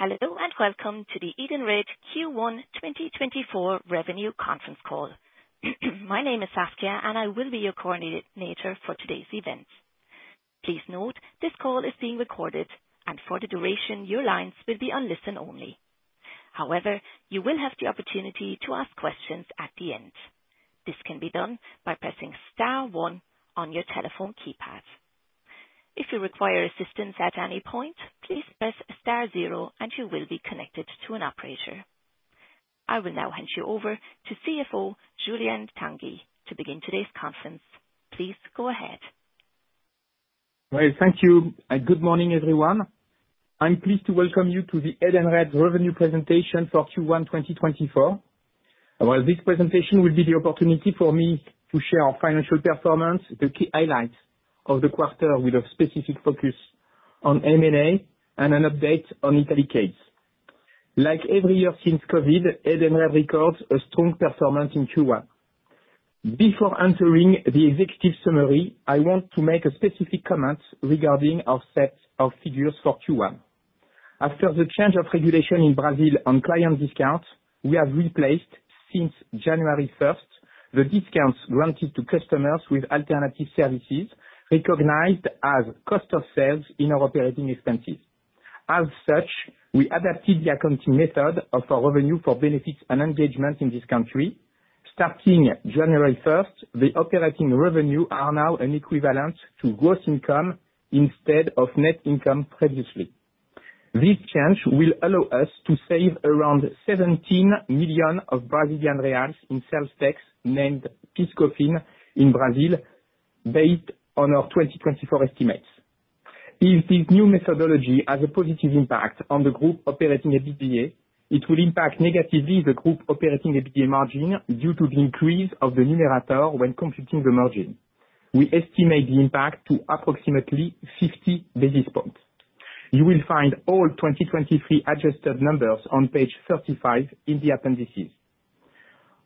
Hello and welcome to the Edenred Q1 2024 Revenue Conference Call. My name is Saskia, and I will be your coordinator for today's event. Please note this call is being recorded, and for the duration your lines will be on listen only. However, you will have the opportunity to ask questions at the end. This can be done by pressing star one on your telephone keypad. If you require assistance at any point, please press star zero and you will be connected to an operator. I will now hand you over to CFO Julien Tanguy to begin today's conference. Please go ahead. Right, thank you, and good morning everyone. I'm pleased to welcome you to the Edenred Revenue Presentation for Q1 2024. Well, this presentation will be the opportunity for me to share our financial performance, the key highlights of the quarter with a specific focus on M&A and an update on Italy case. Like every year since COVID, Edenred records a strong performance in Q1. Before entering the executive summary, I want to make a specific comment regarding our set of figures for Q1. After the change of regulation in Brazil on client discounts, we have replaced, since January 1st, the discounts granted to customers with alternative services recognized as cost of sales in our operating expenses. As such, we adapted the accounting method of our revenue for benefits and engagement in this country. Starting January 1st, the operating revenues are now an equivalent to gross income instead of net income previously. This change will allow us to save around 17 million in sales tax named PIS/COFINS in Brazil, based on our 2024 estimates. If this new methodology has a positive impact on the group operating EBITDA, it will impact negatively the group operating EBITDA margin due to the increase of the numerator when computing the margin. We estimate the impact to approximately 50 basis points. You will find all 2023 adjusted numbers on page 35 in the appendices.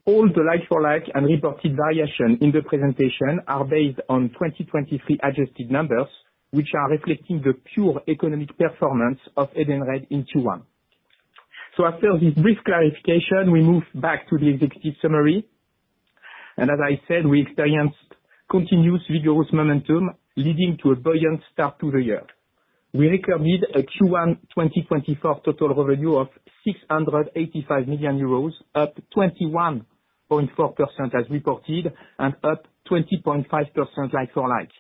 All the Like-for-like and reported variation in the presentation are based on 2023 adjusted numbers, which are reflecting the pure economic performance of Edenred in Q1. So after this brief clarification, we move back to the executive summary. As I said, we experienced continuous vigorous momentum leading to a buoyant start to the year. We recorded a Q1 2024 total revenue of 685 million euros, up 21.4% as reported and up 20.5% like-for-like.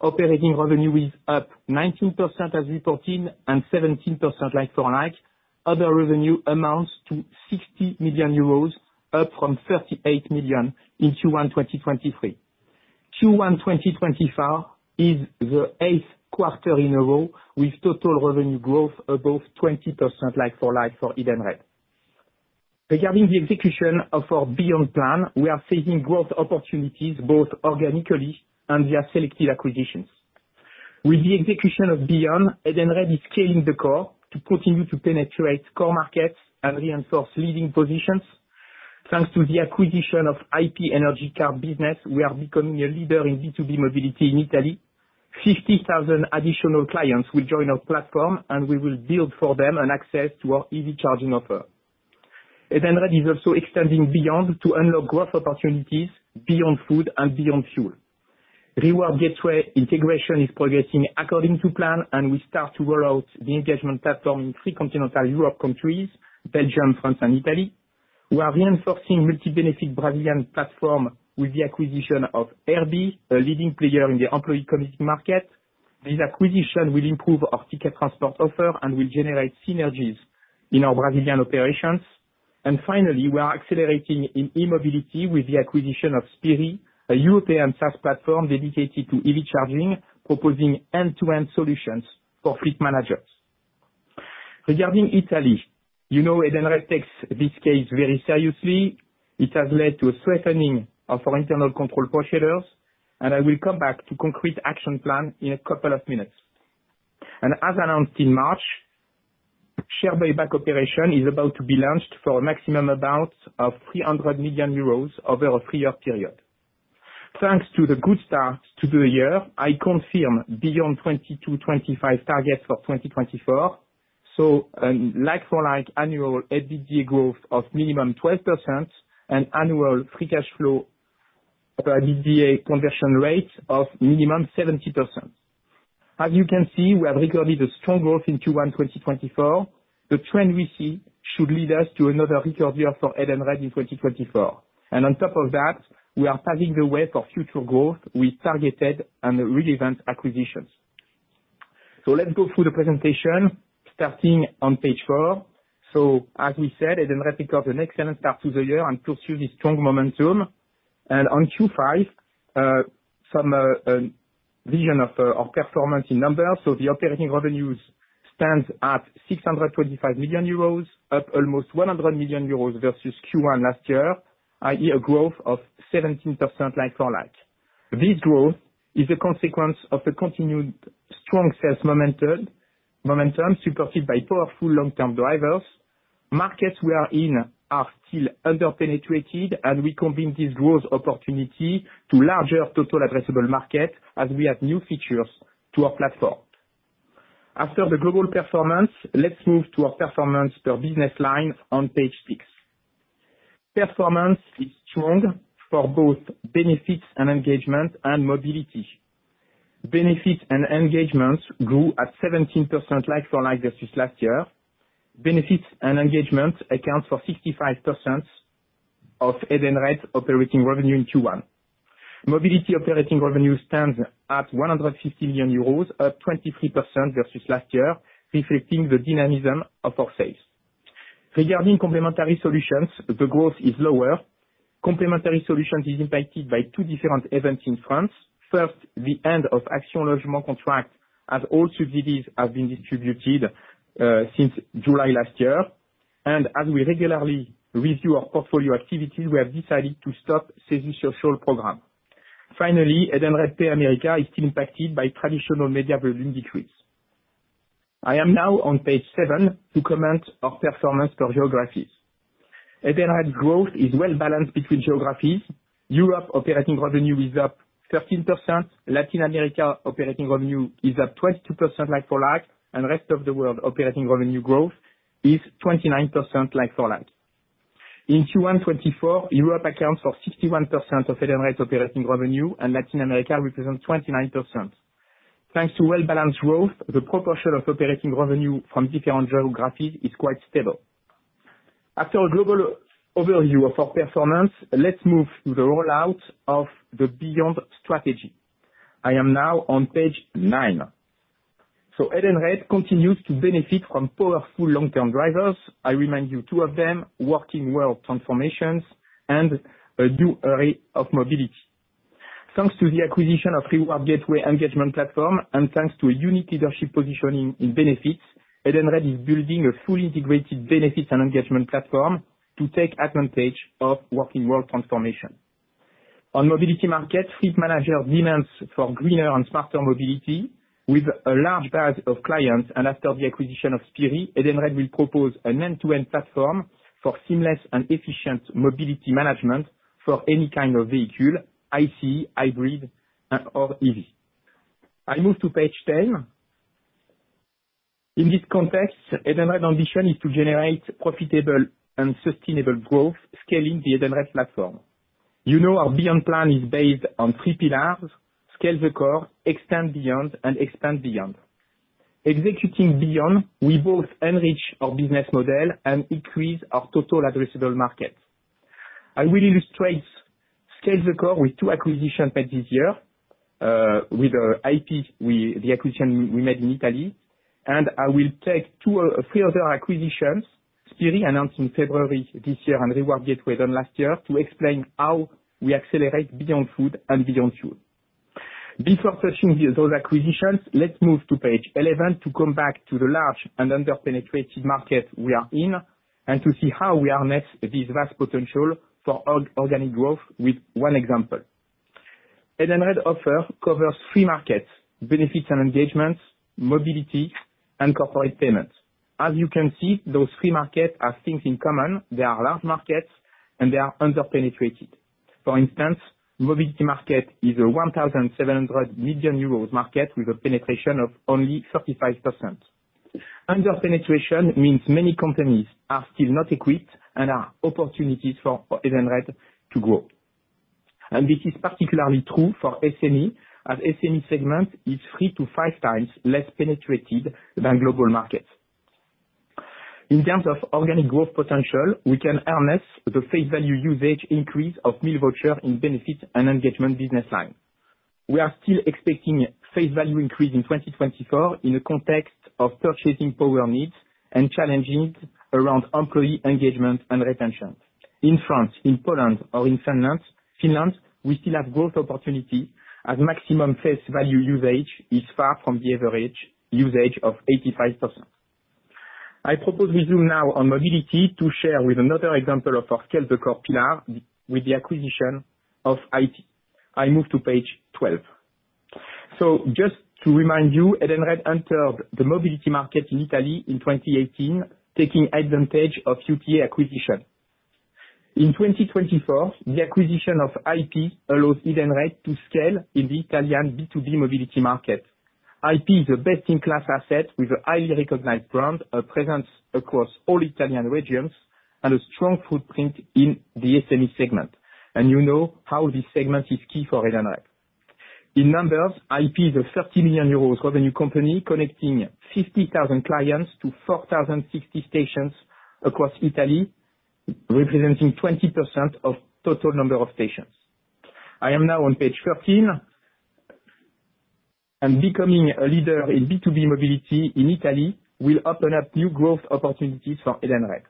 Operating revenue is up 19% as reported and 17% like-for-like. Other revenue amounts to 60 million euros, up from 38 million in Q1 2023. Q1 2024 is the eighth quarter in a row with total revenue growth above 20% like-for-like for Edenred. Regarding the execution of our Beyond Plan, we are seeing growth opportunities both organically and via selective acquisitions. With the execution of Beyond, Edenred is scaling the core to continue to penetrate core markets and reinforce leading positions. Thanks to the acquisition of IP energy card business, we are becoming a leader in B2B mobility in Italy. 50,000 additional clients will join our platform, and we will build for them an access to our EV charging offer. Edenred is also extending Beyond to unlock growth opportunities Beyond Food and Beyond Fuel. Reward Gateway integration is progressing according to plan, and we start to roll out the engagement platform in three continental Europe countries: Belgium, France, and Italy. We are reinforcing multi-benefit Brazilian platform with the acquisition of RB, a leading player in the employee commuting market. This acquisition will improve our Ticket Transport offer and will generate synergies in our Brazilian operations. And finally, we are accelerating in e-mobility with the acquisition of Spirii, a European SaaS platform dedicated to EV charging, proposing end-to-end solutions for fleet managers. Regarding Italy, you know Edenred takes this case very seriously. It has led to a strengthening of our internal control procedures, and I will come back to the concrete action plan in a couple of minutes. As announced in March, share buyback operation is about to be launched for a maximum amount of 300 million euros over a three-year period. Thanks to the good start to the year, I confirm Beyond 2022-2025 targets for 2024, so a like-for-like annual EBITDA growth of minimum 12% and annual free cash flow EBITDA conversion rate of minimum 70%. As you can see, we have recorded a strong growth in Q1 2024. The trend we see should lead us to another record year for Edenred in 2024. On top of that, we are paving the way for future growth with targeted and relevant acquisitions. Let's go through the presentation, starting on page 4. So as we said, Edenred records an excellent start to the year and pursues a strong momentum. And on Q1, some vision of our performance in numbers. So the operating revenues stand at 625 million euros, up almost 100 million euros versus Q1 last year, i.e., a growth of 17% like-for-like. This growth is a consequence of the continued strong sales momentum supported by powerful long-term drivers. Markets we are in are still underpenetrated, and we convert this growth opportunity to larger total addressable markets as we add new features to our platform. After the global performance, let's move to our performance per business line on page 6. Performance is strong for both benefits and engagement and mobility. Benefits and engagements grew at 17% like-for-like versus last year. Benefits and engagements account for 65% of Edenred's operating revenue in Q1. Mobility operating revenue stands at 150 million euros, up 23% versus last year, reflecting the dynamism of our sales. Regarding complementary solutions, the growth is lower. Complementary solutions is impacted by two different events in France. First, the end of Action Logement contract as all subsidies have been distributed since July last year. As we regularly review our portfolio activities, we have decided to stop CESU social program. Finally, Edenred Pay America is still impacted by traditional media volume decrease. I am now on page 7 to comment on our performance per geographies. Edenred's growth is well balanced between geographies. Europe operating revenue is up 13%. Latin America operating revenue is up 22% like-for-like, and the rest of the world operating revenue growth is 29% like-for-like. In Q1 2024, Europe accounts for 61% of Edenred's operating revenue, and Latin America represents 29%. Thanks to well-balanced growth, the proportion of operating revenue from different geographies is quite stable. After a global overview of our performance, let's move to the rollout of the Beyond strategy. I am now on page 9. So Edenred continues to benefit from powerful long-term drivers. I remind you, two of them: working world transformations and a new area of mobility. Thanks to the acquisition of Reward Gateway engagement platform and thanks to a unique leadership positioning in benefits, Edenred is building a fully integrated benefits and engagement platform to take advantage of working world transformation. On mobility markets, fleet managers demand for greener and smarter mobility with a large base of clients. And after the acquisition of Spirii, Edenred will propose an end-to-end platform for seamless and efficient mobility management for any kind of vehicle: ICE, hybrid, or EV. I move to page 10. In this context, Edenred's ambition is to generate profitable and sustainable growth scaling the Edenred platform. You know our Beyond Plan is based on three pillars: scale the core, extend beyond, and expand beyond. Executing Beyond, we both enrich our business model and increase our total addressable markets. I will illustrate scale the core with two acquisitions made this year with the acquisition we made in Italy. I will take three other acquisitions Spirii announced in February this year and Reward Gateway done last year to explain how we accelerate Beyond Food and Beyond Fuel. Before touching those acquisitions, let's move to page 11 to come back to the large and underpenetrated market we are in and to see how we harness this vast potential for organic growth with one example. Edenred's offer covers three markets: benefits and engagements, mobility, and corporate payments. As you can see, those three markets have things in common. They are large markets, and they are underpenetrated. For instance, the mobility market is a 1,700 million euros market with a penetration of only 35%. Underpenetration means many companies are still not equipped and are opportunities for Edenred to grow. This is particularly true for SME, as the SME segment is three to five times less penetrated than global markets. In terms of organic growth potential, we can harness the face value usage increase of meal voucher in benefits and engagement business line. We are still expecting face value increase in 2024 in the context of purchasing power needs and challenges around employee engagement and retention. In France, in Poland, or in Finland, we still have growth opportunities as maximum face value usage is far from the average usage of 85%. I propose we zoom now on mobility to share with another example of our scale the core pillar with the acquisition of IP. I move to page 12. So just to remind you, Edenred entered the mobility market in Italy in 2018, taking advantage of UTA acquisition. In 2024, the acquisition of IP allows Edenred to scale in the Italian B2B mobility market. IP is a best-in-class asset with a highly recognized brand present across all Italian regions and a strong footprint in the SME segment. And you know how this segment is key for Edenred. In numbers, IP is a 30 million euros revenue company connecting 50,000 clients to 4,060 stations across Italy, representing 20% of the total number of stations. I am now on page 13. Becoming a leader in B2B mobility in Italy will open up new growth opportunities for Edenred.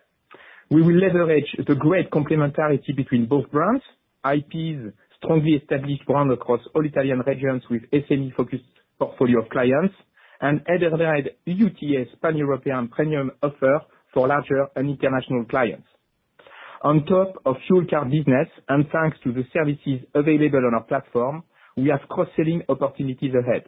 We will leverage the great complementarity between both brands: IP's strongly established brand across all Italian regions with an SME-focused portfolio of clients and Edenred's UTA's pan-European premium offer for larger and international clients. On top of fuel card business, and thanks to the services available on our platform, we have cross-selling opportunities ahead.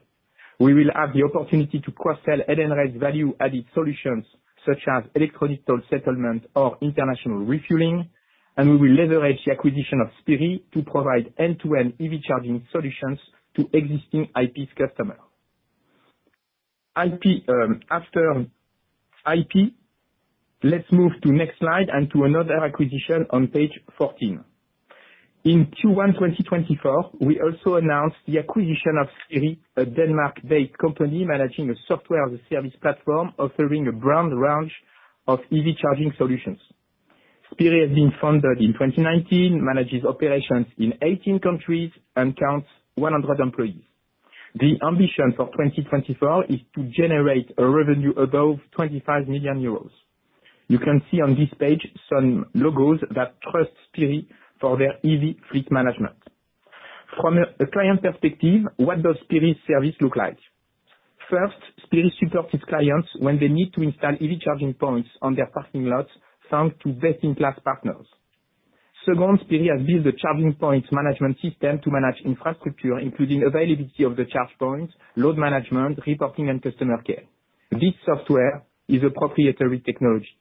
We will have the opportunity to cross-sell Edenred's value-added solutions such as electronic toll settlement or international refueling. We will leverage the acquisition of Spirii to provide end-to-end EV charging solutions to existing IP's customers. After IP, let's move to the next slide and to another acquisition on page 14. In Q1 2024, we also announced the acquisition of Spirii, a Denmark-based company managing a software as a service platform offering a broad range of EV charging solutions. Spirii has been founded in 2019, manages operations in 18 countries, and counts 100 employees. The ambition for 2024 is to generate a revenue above 25 million euros. You can see on this page some logos that trust Spirii for their EV fleet management. From a client perspective, what does Spirii's service look like? First, Spirii supports its clients when they need to install EV charging points on their parking lots thanks to best-in-class partners. Second, Spirii has built a charging point management system to manage infrastructure, including availability of the charge points, load management, reporting, and customer care. This software is appropriate technology.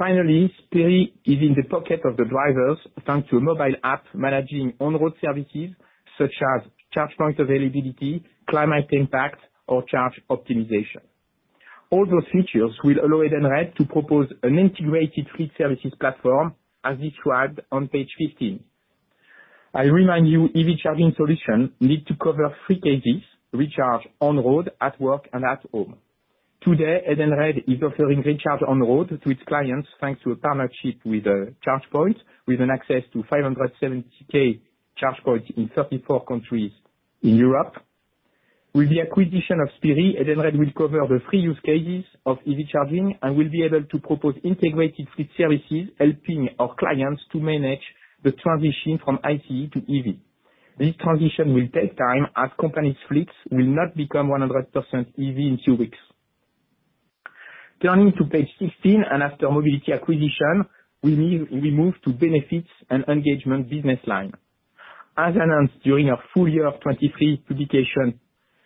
Finally, Spirii is in the pocket of the drivers thanks to a mobile app managing on-road services such as charge point availability, climate impact, or charge optimization. All those features will allow Edenred to propose an integrated fleet services platform as described on page 15. I remind you, EV charging solutions need to cover three cases: recharge on-road, at work, and at home. Today, Edenred is offering recharge on-road to its clients thanks to a partnership with ChargePoint, with access to 570,000 charge points in 34 countries in Europe. With the acquisition of Spirii, Edenred will cover the three use cases of EV charging and will be able to propose integrated fleet services helping our clients to manage the transition from ICE to EV. This transition will take time as companies' fleets will not become 100% EV in two weeks. Turning to page 16, after mobility acquisition, we move to the benefits and engagement business line. As announced during our full year 2023 publication,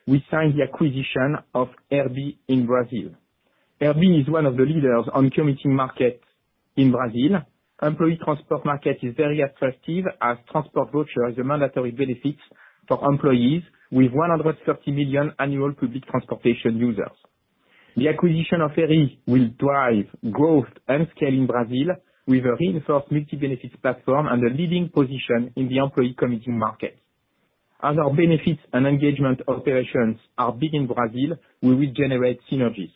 we signed the acquisition of RB in Brazil. RB is one of the leaders in commuting markets in Brazil. The employee transport market is very attractive as transport voucher is a mandatory benefit for employees with 130 million annual public transportation users. The acquisition of RB will drive growth and scale in Brazil with a reinforced multi-benefits platform and a leading position in the employee commuting market. As our benefits and engagement operations are big in Brazil, we will generate synergies.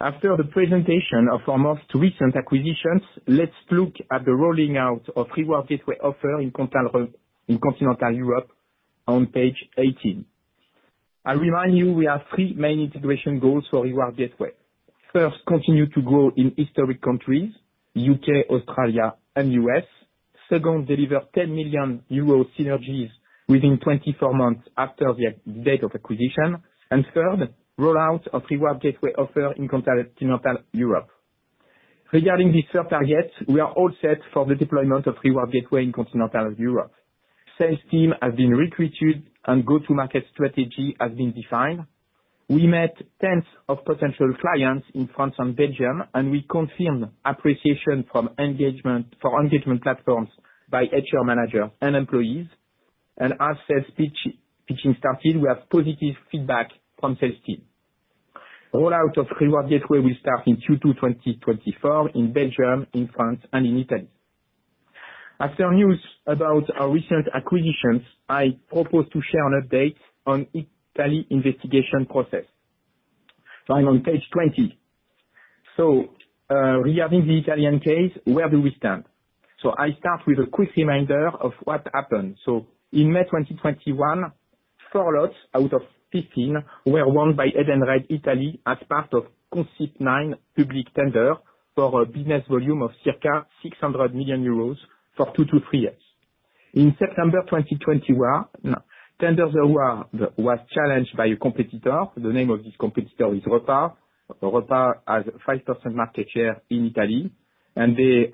After the presentation of our most recent acquisitions, let's look at the rolling out of Reward Gateway offer in continental Europe on page 18. I remind you, we have three main integration goals for Reward Gateway. First, continue to grow in historic countries: UK, Australia, and the US. Second, deliver 10 million euro synergies within 24 months after the date of acquisition. And third, rollout of Reward Gateway offer in continental Europe. Regarding this third target, we are all set for the deployment of Reward Gateway in continental Europe. The sales team has been recruited, and a go-to-market strategy has been defined. We met tens of potential clients in France and Belgium, and we confirmed appreciation for engagement platforms by HR managers and employees. And as sales pitching started, we have positive feedback from the sales team. The rollout of Reward Gateway will start in Q2 2024 in Belgium, in France, and in Italy. After news about our recent acquisitions, I propose to share an update on the Italy investigation process. So I'm on page 20. So regarding the Italian case, where do we stand? So I start with a quick reminder of what happened. So in May 2021, four lots out of 15 were won by Edenred Italy as part of Consip nine public tender for a business volume of circa 600 million euros for 2-3 years. In September 2021, the tender was challenged by a competitor. The name of this competitor is Repas. Repas has 5% market share in Italy. And they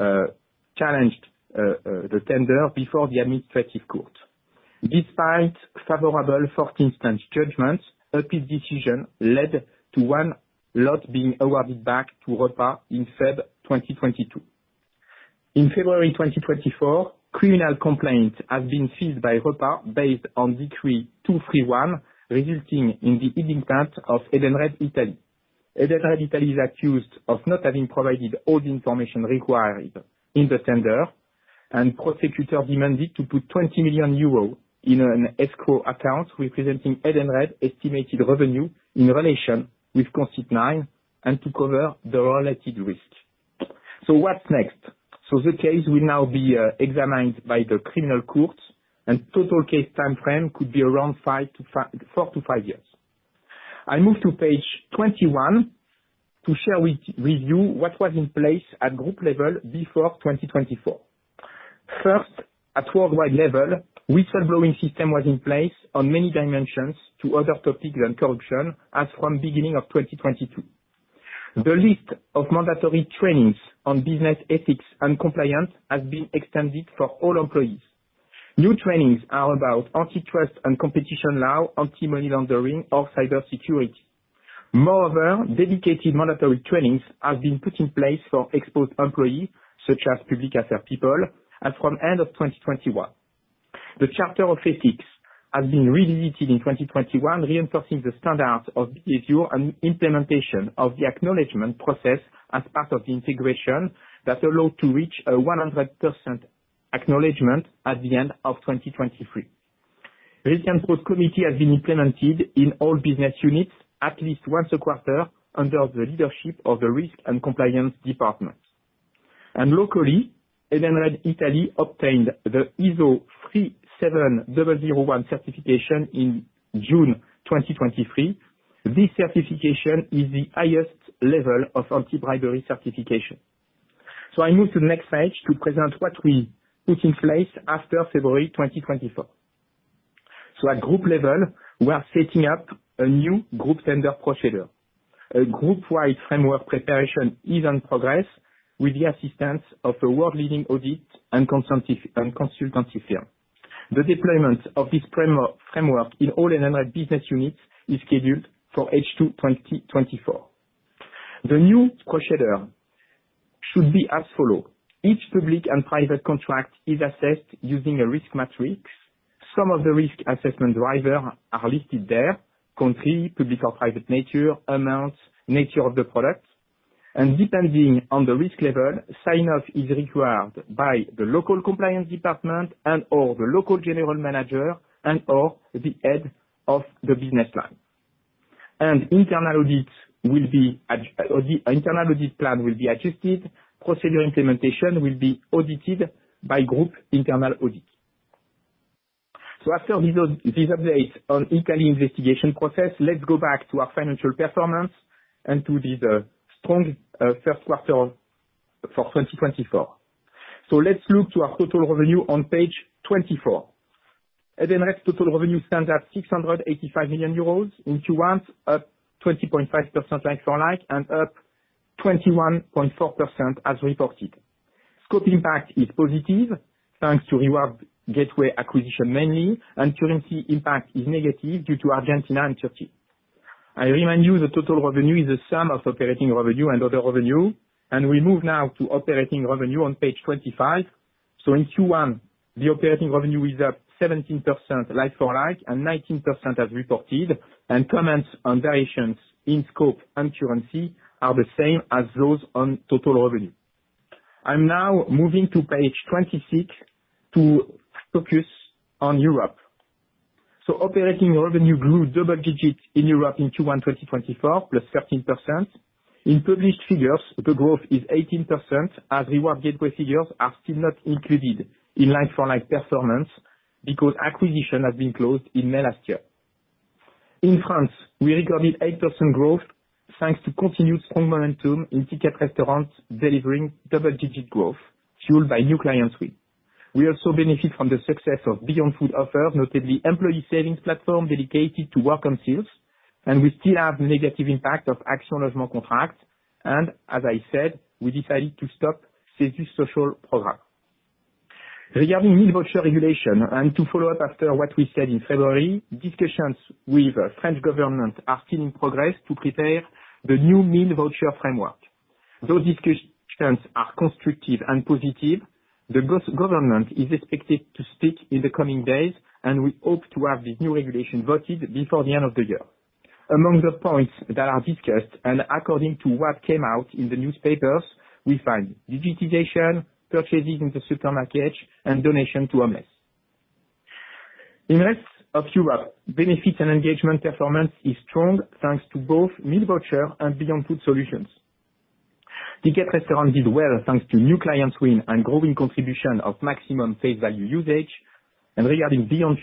challenged the tender before the administrative court. Despite favorable first-instance judgments, an appellate decision led to one lot being awarded back to Repas in February 2022. In February 2024, a criminal complaint has been filed by Repas based on Decree 231, resulting in the indictment of Edenred Italy. Edenred Italy is accused of not having provided all the information required in the tender. The prosecutor demanded to put 20 million euro in an escrow account representing Edenred's estimated revenue in relation with Consip nine and to cover the related risk. So what's next? The case will now be examined by the criminal courts. The total case timeframe could be around 4-5 years. I move to page 21 to share with you what was in place at group level before 2024. First, at worldwide level, a whistleblowing system was in place on many dimensions to other topics than corruption as from the beginning of 2022. The list of mandatory trainings on business ethics and compliance has been extended for all employees. New trainings are about antitrust and competition law, anti-money laundering, or cybersecurity. Moreover, dedicated mandatory trainings have been put in place for exposed employees such as public affairs people as from the end of 2021. The Charter of Ethics has been revisited in 2021, reinforcing the standards of behavior and implementation of the acknowledgment process as part of the integration that allowed to reach 100% acknowledgment at the end of 2023. The risk and fraud committee has been implemented in all business units at least once a quarter under the leadership of the risk and compliance department. And locally, Edenred Italy obtained the ISO 37001 certification in June 2023. This certification is the highest level of anti-bribery certification. So I move to the next page to present what we put in place after February 2024. So at group level, we are setting up a new group tender procedure. A group-wide framework preparation is in progress with the assistance of a world-leading audit and consultancy firm. The deployment of this framework in all Edenred business units is scheduled for H2 2024. The new procedure should be as follows. Each public and private contract is assessed using a risk matrix. Some of the risk assessment drivers are listed there: country, public or private nature, amount, nature of the product. Depending on the risk level, sign-off is required by the local compliance department and/or the local general manager and/or the head of the business line. The internal audit plan will be adjusted. Procedure implementation will be audited by group internal audit. After these updates on the Italy investigation process, let's go back to our financial performance and to this strong first quarter for 2024. Let's look to our total revenue on page 24. Edenred's total revenue stands at 685 million euros in Q1, up 20.5% like for like and up 21.4% as reported. Scope impact is positive thanks to Reward Gateway acquisition mainly. Currency impact is negative due to Argentina and Turkey. I remind you, the total revenue is the sum of operating revenue and other revenue. We move now to operating revenue on page 25. In Q1, the operating revenue is up 17% like for like and 19% as reported. Comments on variations in scope and currency are the same as those on total revenue. I'm now moving to page 26 to focus on Europe. Operating revenue grew double-digit in Europe in Q1 2024, +13%. In published figures, the growth is 18% as Reward Gateway figures are still not included in like for like performance because acquisition has been closed in May last year. In France, we recorded 8% growth thanks to continued strong momentum in Ticket Restaurant delivering double-digit growth fueled by new clients win. We also benefit from the success of Beyond Food offers, notably an employee savings platform dedicated to works councils. We still have the negative impact of Action Logement contracts. As I said, we decided to stop the CESU social program. Regarding meal voucher regulation and to follow up after what we said in February, discussions with the French government are still in progress to prepare the new meal voucher framework. Those discussions are constructive and positive. The government is expected to speak in the coming days. We hope to have this new regulation voted before the end of the year. Among the points that are discussed and according to what came out in the newspapers, we find digitization, purchases in the supermarket, and donation to homeless. In the rest of Europe, benefits and engagement performance is strong thanks to both meal voucher and Beyond Food solutions. Ticket Restaurant did well thanks to new client wins and growing contribution of maximum face value usage. Regarding Beyond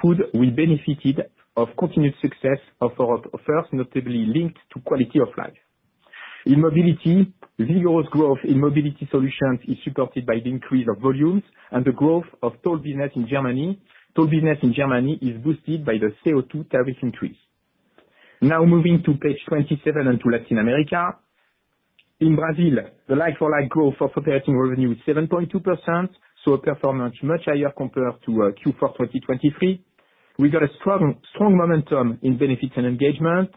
Food, we benefited from continued success of our first, notably linked to quality of life. In mobility, vigorous growth in mobility solutions is supported by the increase of volumes and the growth of toll business in Germany. Toll business in Germany is boosted by the CO2 tariff increase. Now moving to page 27 and to Latin America. In Brazil, the like-for-like growth of operating revenue is 7.2%. So a performance much higher compared to Q4 2023. We got a strong momentum in benefits and engagement.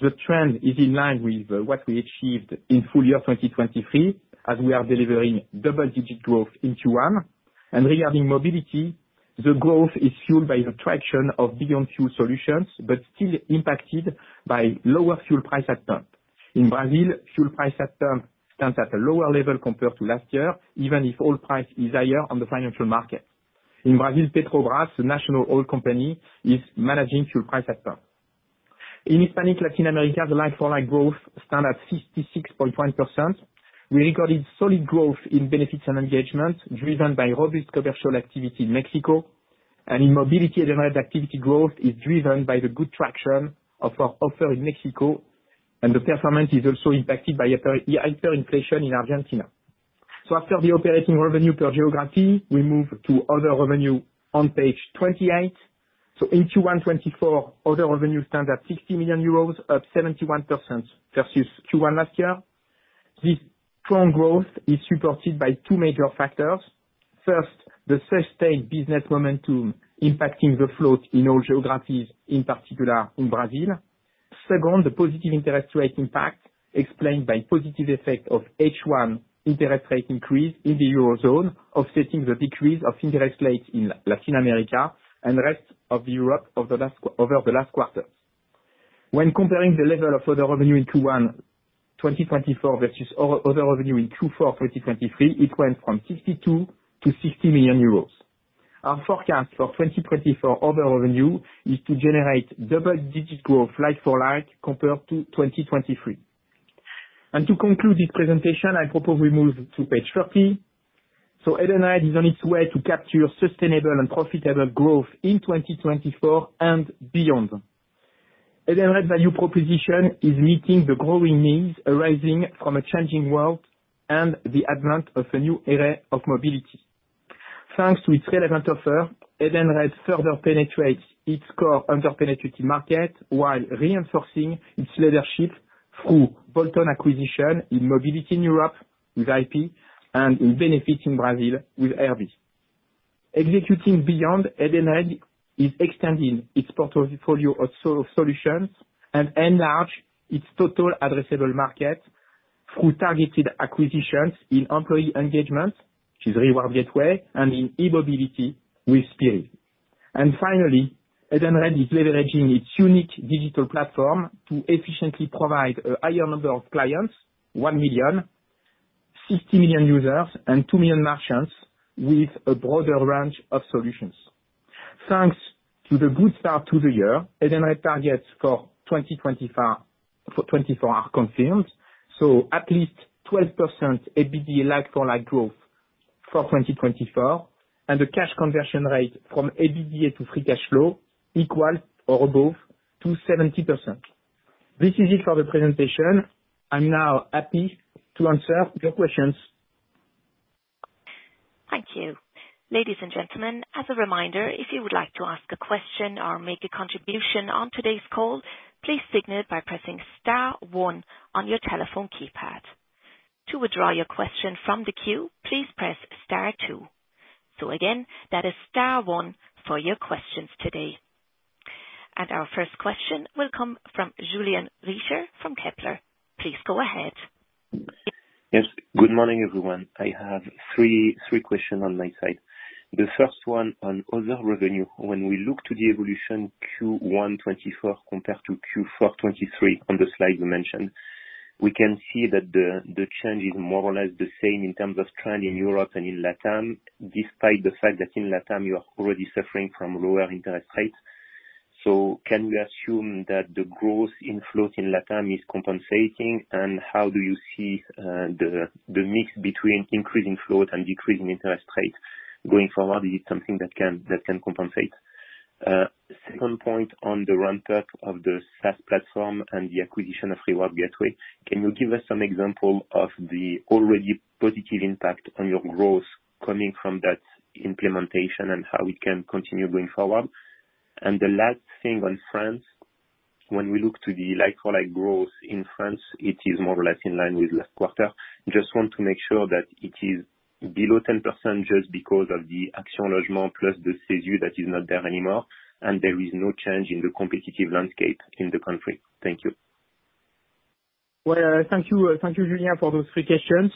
The trend is in line with what we achieved in full year 2023 as we are delivering double-digit growth in Q1. Regarding mobility, the growth is fueled by the traction of Beyond Fuel solutions but still impacted by lower fuel price at pump. In Brazil, fuel price at pump stands at a lower level compared to last year, even if oil price is higher on the financial market. In Brazil, Petrobras, the national oil company, is managing fuel price at pump. In Hispanic Latin America, the like-for-like growth stands at 66.1%. We recorded solid growth in benefits and engagement driven by robust commercial activity in Mexico. In mobility, Edenred's activity growth is driven by the good traction of our offer in Mexico. The performance is also impacted by hyperinflation in Argentina. After the operating revenue per geography, we move to other revenue on page 28. In Q1 2024, other revenue stands at 60 million euros, up 71% versus Q1 last year. This strong growth is supported by two major factors. First, the sustained business momentum impacting the float in all geographies, in particular in Brazil. Second, the positive interest rate impact explained by the positive effect of H1 interest rate increase in the eurozone of setting the decrease of interest rates in Latin America and the rest of Europe over the last quarter. When comparing the level of other revenue in Q1 2024 versus other revenue in Q4 2023, it went from 62 million-60 million euros. Our forecast for 2024 other revenue is to generate double-digit growth like-for-like compared to 2023. To conclude this presentation, I propose we move to page 30. Edenred is on its way to capture sustainable and profitable growth in 2024 and beyond. Edenred's value proposition is meeting the growing needs arising from a changing world and the advent of a new era of mobility. Thanks to its relevant offer, Edenred further penetrates its core under-penetrated market while reinforcing its leadership through bolt-on acquisition in mobility in Europe with IP and in benefits in Brazil with RB. Executing Beyond, Edenred is extending its portfolio of solutions and enlarging its total addressable market through targeted acquisitions in employee engagement, which is Reward Gateway, and in e-mobility with Spirii. Finally, Edenred is leveraging its unique digital platform to efficiently provide a higher number of clients: 1 million, 60 million users, and 2 million merchants with a broader range of solutions. Thanks to the good start to the year, Edenred's targets for 2024 are confirmed. At least 12% EBITDA like-for-like growth for 2024 and the cash conversion rate from EBITDA to free cash flow equals or above to 70%. This is it for the presentation. I'm now happy to answer your questions. Thank you. Ladies and gentlemen, as a reminder, if you would like to ask a question or make a contribution on today's call, please signal by pressing star one on your telephone keypad. To withdraw your question from the queue, please press star two. So again, that is star one for your questions today. Our first question will come from Julien Richer from Kepler. Please go ahead. Yes. Good morning, everyone. I have three questions on my side. The first one on other revenue. When we look to the evolution Q1 2024 compared to Q4 2023 on the slide you mentioned, we can see that the change is more or less the same in terms of trend in Europe and in LATAM despite the fact that in LATAM, you are already suffering from lower interest rates. So can we assume that the growth in float in LATAM is compensating? And how do you see the mix between increasing float and decreasing interest rate going forward? Is it something that can compensate? Second point on the ramp-up of the SaaS platform and the acquisition of Reward Gateway, can you give us some example of the already positive impact on your growth coming from that implementation and how it can continue going forward? And the last thing on France. When we look to the like-for-like growth in France, it is more or less in line with last quarter. Just want to make sure that it is below 10% just because of the Action Logement plus the CESU that is not there anymore and there is no change in the competitive landscape in the country. Thank you. Well, thank you, Julien, for those three questions.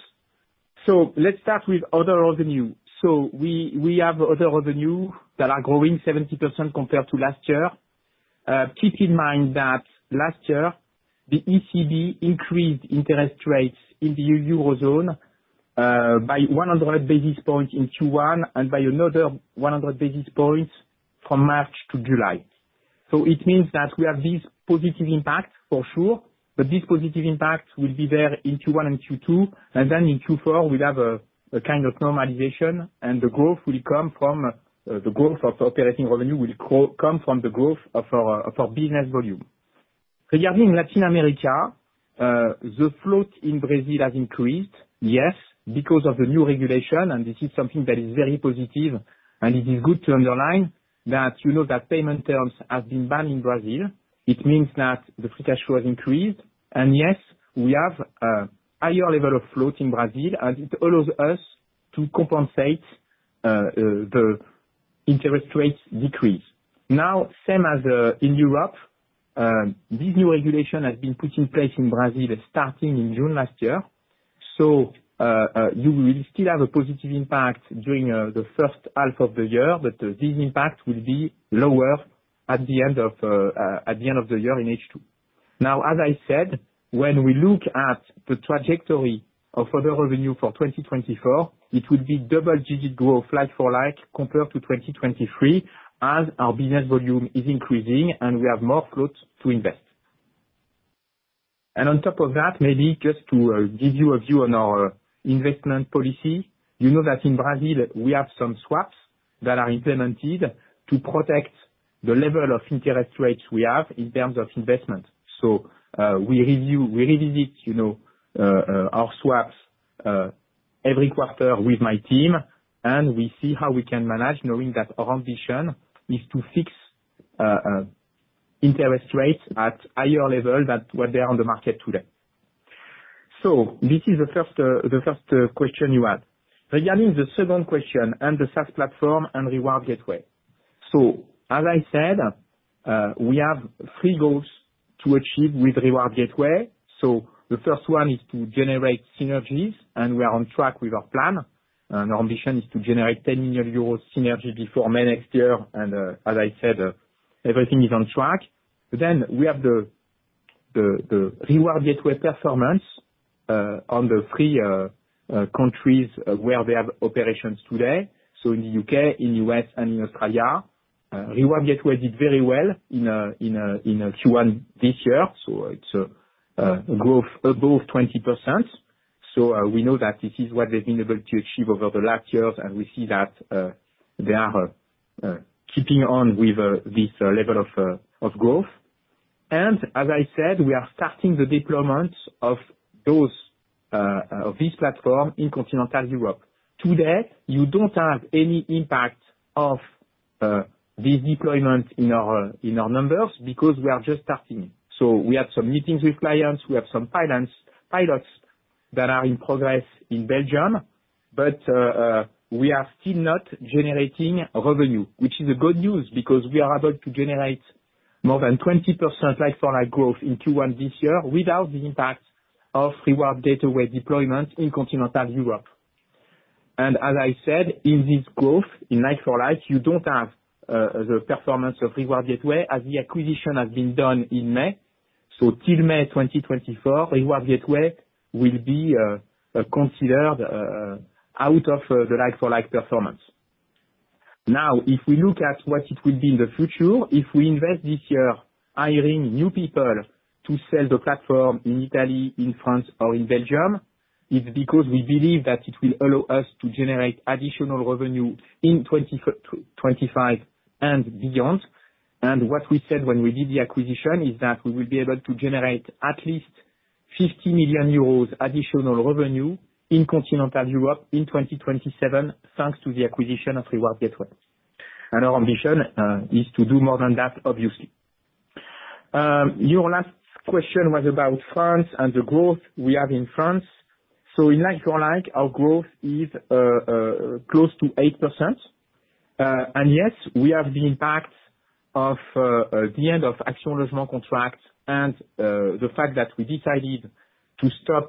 So let's start with other revenue. So we have other revenue that are growing 70% compared to last year. Keep in mind that last year, the ECB increased interest rates in the eurozone by 100 basis points in Q1 and by another 100 basis points from March to July. So it means that we have this positive impact, for sure. But this positive impact will be there in Q1 and Q2. And then in Q4, we'll have a kind of normalization. And the growth will come from the growth of operating revenue will come from the growth of our business volume. Regarding Latin America, the float in Brazil has increased, yes, because of the new regulation. And this is something that is very positive. And it is good to underline that payment terms have been banned in Brazil. It means that the free cash flow has increased. And yes, we have a higher level of float in Brazil. And it allows us to compensate the interest rate decrease. Now, same as in Europe, this new regulation has been put in place in Brazil starting in June last year. So you will still have a positive impact during the first half of the year. But this impact will be lower at the end of the year in H2. Now, as I said, when we look at the trajectory of other revenue for 2024, it will be double-digit growth like-for-like compared to 2023 as our business volume is increasing and we have more float to invest. On top of that, maybe just to give you a view on our investment policy, you know that in Brazil, we have some swaps that are implemented to protect the level of interest rates we have in terms of investment. So we revisit our swaps every quarter with my team. And we see how we can manage knowing that our ambition is to fix interest rates at a higher level than what they are on the market today. So this is the first question you had. Regarding the second question and the SaaS platform and Reward Gateway, so as I said, we have three goals to achieve with Reward Gateway. So the first one is to generate synergies. And we are on track with our plan. Our ambition is to generate 10 million euros synergy before May next year. And as I said, everything is on track. Then we have the Reward Gateway performance on the three countries where they have operations today. So in the UK, in the US, and in Australia, Reward Gateway did very well in Q1 this year. So it's a growth above 20%. So we know that this is what they've been able to achieve over the last years. And we see that they are keeping on with this level of growth. And as I said, we are starting the deployment of this platform in continental Europe. Today, you don't have any impact of this deployment in our numbers because we are just starting. So we have some meetings with clients. We have some pilots that are in progress in Belgium. But we are still not generating revenue, which is good news because we are able to generate more than 20% like for like growth in Q1 this year without the impact of Reward Gateway deployment in continental Europe. As I said, in this growth in like for like, you don't have the performance of Reward Gateway as the acquisition has been done in May. Till May 2024, Reward Gateway will be considered out of the like for like performance. Now, if we look at what it will be in the future, if we invest this year, hiring new people to sell the platform in Italy, in France, or in Belgium, it's because we believe that it will allow us to generate additional revenue in 2025 and beyond. What we said when we did the acquisition is that we will be able to generate at least 50 million euros additional revenue in continental Europe in 2027 thanks to the acquisition of Reward Gateway. Our ambition is to do more than that, obviously. Your last question was about France and the growth we have in France. So in like for like, our growth is close to 8%. Yes, we have the impact of the end of Action Logement contract and the fact that we decided to stop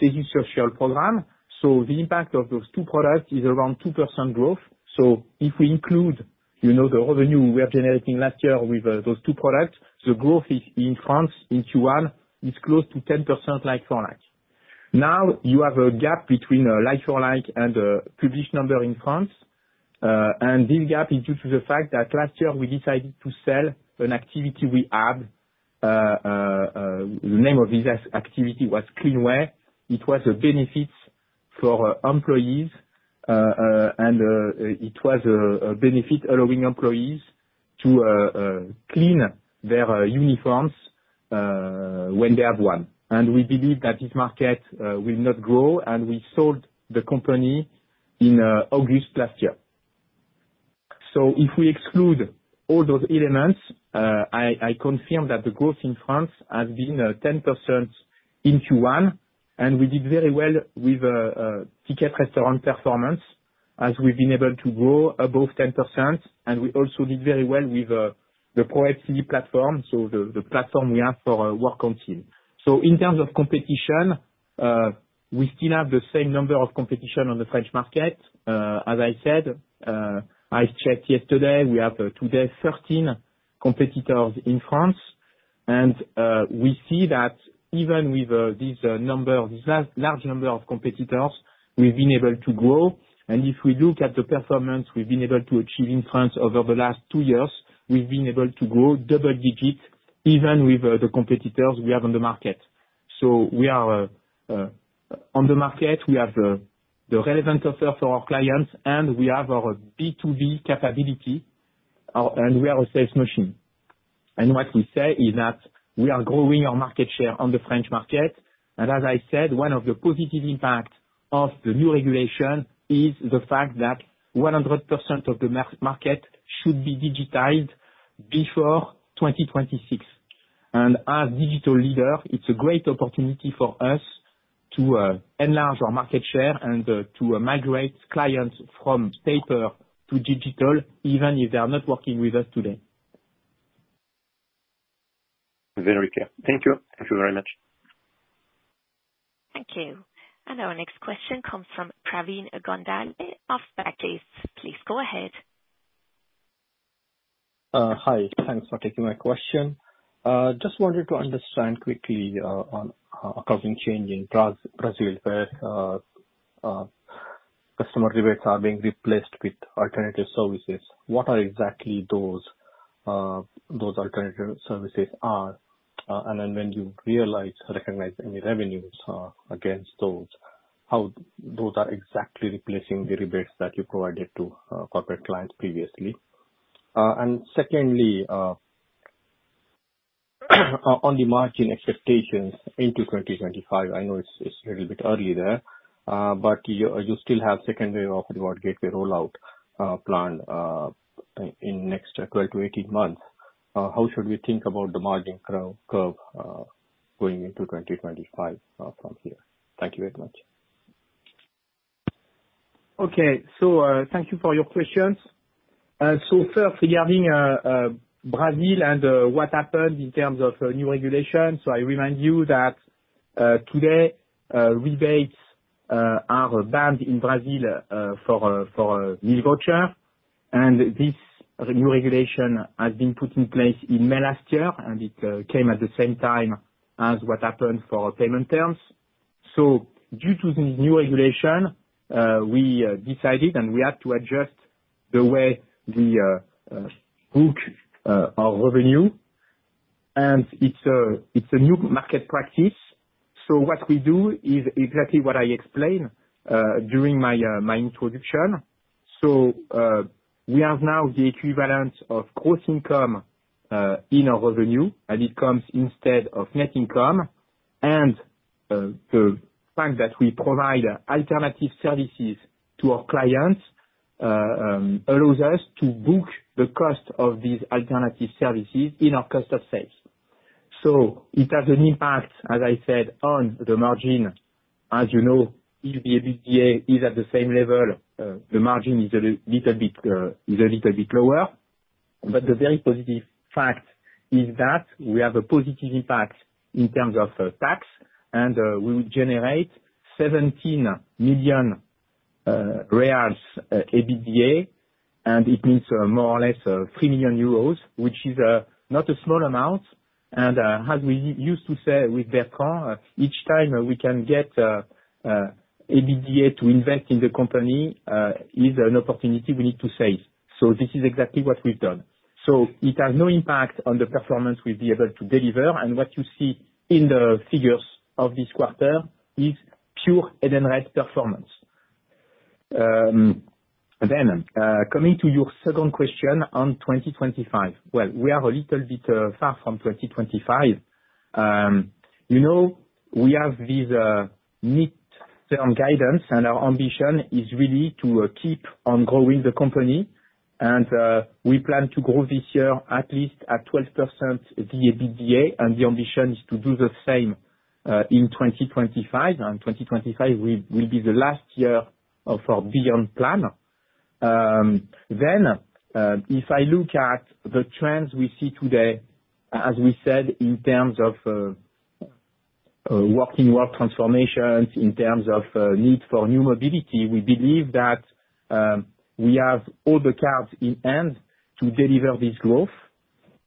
CESU social program. So the impact of those two products is around 2% growth. So if we include the revenue we were generating last year with those two products, the growth in France in Q1 is close to 10% like for like. Now, you have a gap between like for like and the published number in France. This gap is due to the fact that last year, we decided to sell an activity we had. The name of this activity was Clean Way. It was a benefit for employees. It was a benefit allowing employees to clean their uniforms when they have one. We believe that this market will not grow. We sold the company in August last year. If we exclude all those elements, I confirm that the growth in France has been 10% in Q1. We did very well with Ticket Restaurant performance as we've been able to grow above 10%. We also did very well with the ProwebCE platform, so the platform we have for works councils. In terms of competition, we still have the same number of competition on the French market. As I said, I checked yesterday. We have today 13 competitors in France. We see that even with this large number of competitors, we've been able to grow. If we look at the performance we've been able to achieve in France over the last two years, we've been able to grow double-digit even with the competitors we have on the market. We are on the market. We have the relevant offer for our clients. We have our B2B capability. We are a sales machine. What we say is that we are growing our market share on the French market. As I said, one of the positive impacts of the new regulation is the fact that 100% of the market should be digitized before 2026. As digital leader, it's a great opportunity for us to enlarge our market share and to migrate clients from paper to digital even if they are not working with us today. Very clear. Thank you. Thank you very much. Thank you. Our next question comes from Pravin Gondhale of Barclays. Please go ahead. Hi. Thanks for taking my question. Just wanted to understand quickly on a couple of things changing in Brazil where customer rebates are being replaced with alternative services. What are exactly those alternative services are? And then when you realize, recognize any revenues against those, how those are exactly replacing the rebates that you provided to corporate clients previously? And secondly, on the margin expectations into 2025, I know it's a little bit early there, but you still have second wave of Reward Gateway rollout planned in the next 12-18 months. How should we think about the margin curve going into 2025 from here? Thank you very much. Okay. Thank you for your questions. First, regarding Brazil and what happened in terms of new regulation, I remind you that today, rebates are banned in Brazil for a mini voucher. This new regulation has been put in place in May last year. It came at the same time as what happened for payment terms. Due to this new regulation, we decided and we had to adjust the way we book our revenue. It's a new market practice. What we do is exactly what I explained during my introduction. We have now the equivalent of gross income in our revenue. It comes instead of net income. The fact that we provide alternative services to our clients allows us to book the cost of these alternative services in our cost of sales. So it has an impact, as I said, on the margin. As you know, if the EBITDA is at the same level, the margin is a little bit lower. But the very positive fact is that we have a positive impact in terms of tax. And we would generate 17 million reais EBITDA. And it means more or less 3 million euros, which is not a small amount. And as we used to say with Bertrand, each time we can get EBITDA to invest in the company is an opportunity we need to save. So this is exactly what we've done. So it has no impact on the performance we've been able to deliver. And what you see in the figures of this quarter is pure Edenred performance. Then coming to your second question on 2025. Well, we are a little bit far from 2025. We have this mid-term guidance. Our ambition is really to keep on growing the company. We plan to grow this year at least at 12% the EBITDA. The ambition is to do the same in 2025. 2025 will be the last year of our Beyond Plan. Then if I look at the trends we see today, as we said, in terms of working world transformations, in terms of need for new mobility, we believe that we have all the cards in hand to deliver this growth.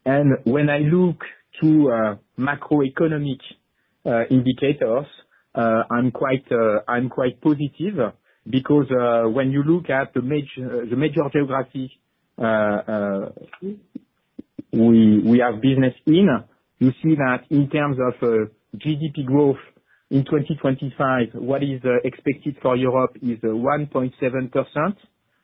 When I look to macroeconomic indicators, I'm quite positive because when you look at the major geography we have business in, you see that in terms of GDP growth in 2025, what is expected for Europe is 1.7%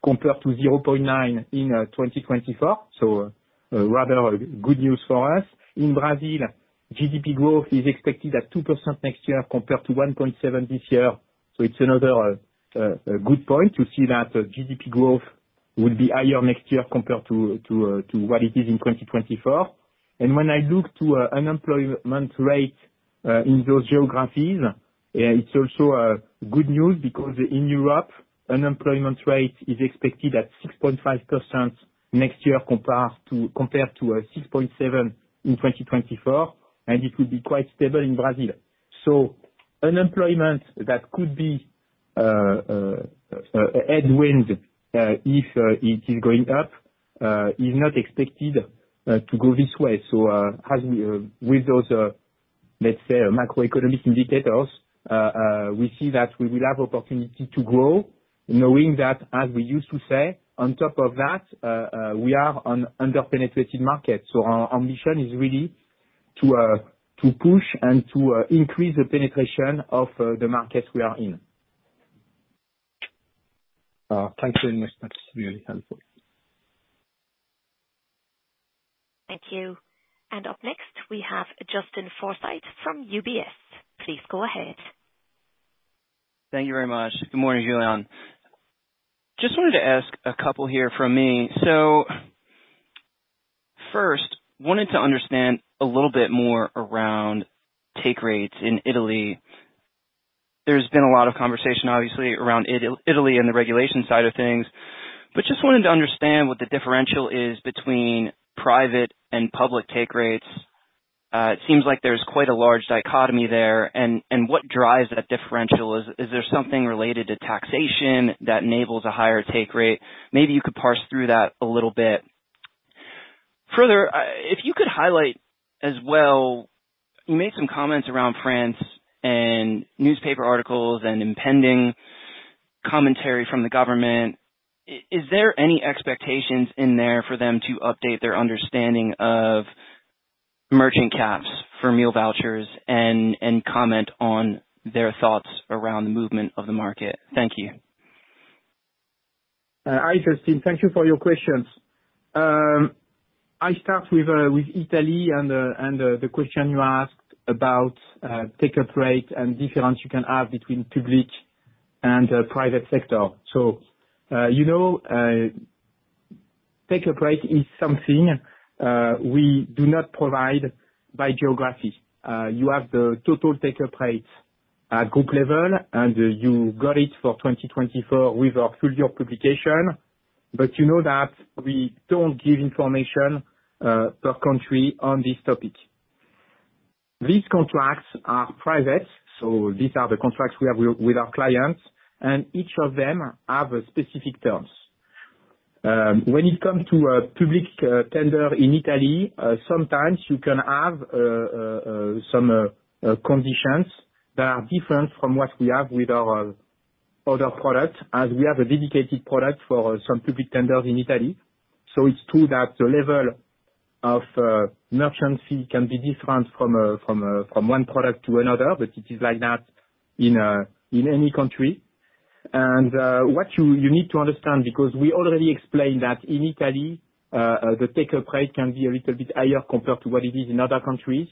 compared to 0.9% in 2024. So rather good news for us. In Brazil, GDP growth is expected at 2% next year compared to 1.7% this year. So it's another good point to see that GDP growth would be higher next year compared to what it is in 2024. When I look to unemployment rate in those geographies, it's also good news because in Europe, unemployment rate is expected at 6.5% next year compared to 6.7% in 2024. It will be quite stable in Brazil. So unemployment that could be headwind if it is going up is not expected to go this way. So with those, let's say, macroeconomic indicators, we see that we will have opportunity to grow knowing that, as we used to say, on top of that, we are on under-penetrated markets. So our ambition is really to push and to increase the penetration of the markets we are in. Thank you very much. That's really helpful. Thank you. Up next, we have Justin Forsythe from UBS. Please go ahead. Thank you very much. Good morning, Julien. Just wanted to ask a couple here from me. So first, wanted to understand a little bit more around take rates in Italy. There's been a lot of conversation, obviously, around Italy and the regulation side of things. But just wanted to understand what the differential is between private and public take rates. It seems like there's quite a large dichotomy there. And what drives that differential? Is there something related to taxation that enables a higher take rate? Maybe you could parse through that a little bit. Further, if you could highlight as well, you made some comments around France and newspaper articles and impending commentary from the government. Is there any expectations in there for them to update their understanding of merchant caps for meal vouchers and comment on their thoughts around the movement of the market? Thank you. Hi, Justin. Thank you for your questions. I start with Italy and the question you asked about take-up rate and difference you can have between public and private sector. So take-up rate is something we do not provide by geography. You have the total take-up rate at group level. You got it for 2024 with our full-year publication. But you know that we don't give information per country on this topic. These contracts are private. So these are the contracts we have with our clients. And each of them have specific terms. When it comes to a public tender in Italy, sometimes you can have some conditions that are different from what we have with our other product as we have a dedicated product for some public tenders in Italy. So it's true that the level of merchant fee can be different from one product to another. But it is like that in any country. What you need to understand because we already explained that in Italy, the take-up rate can be a little bit higher compared to what it is in other countries.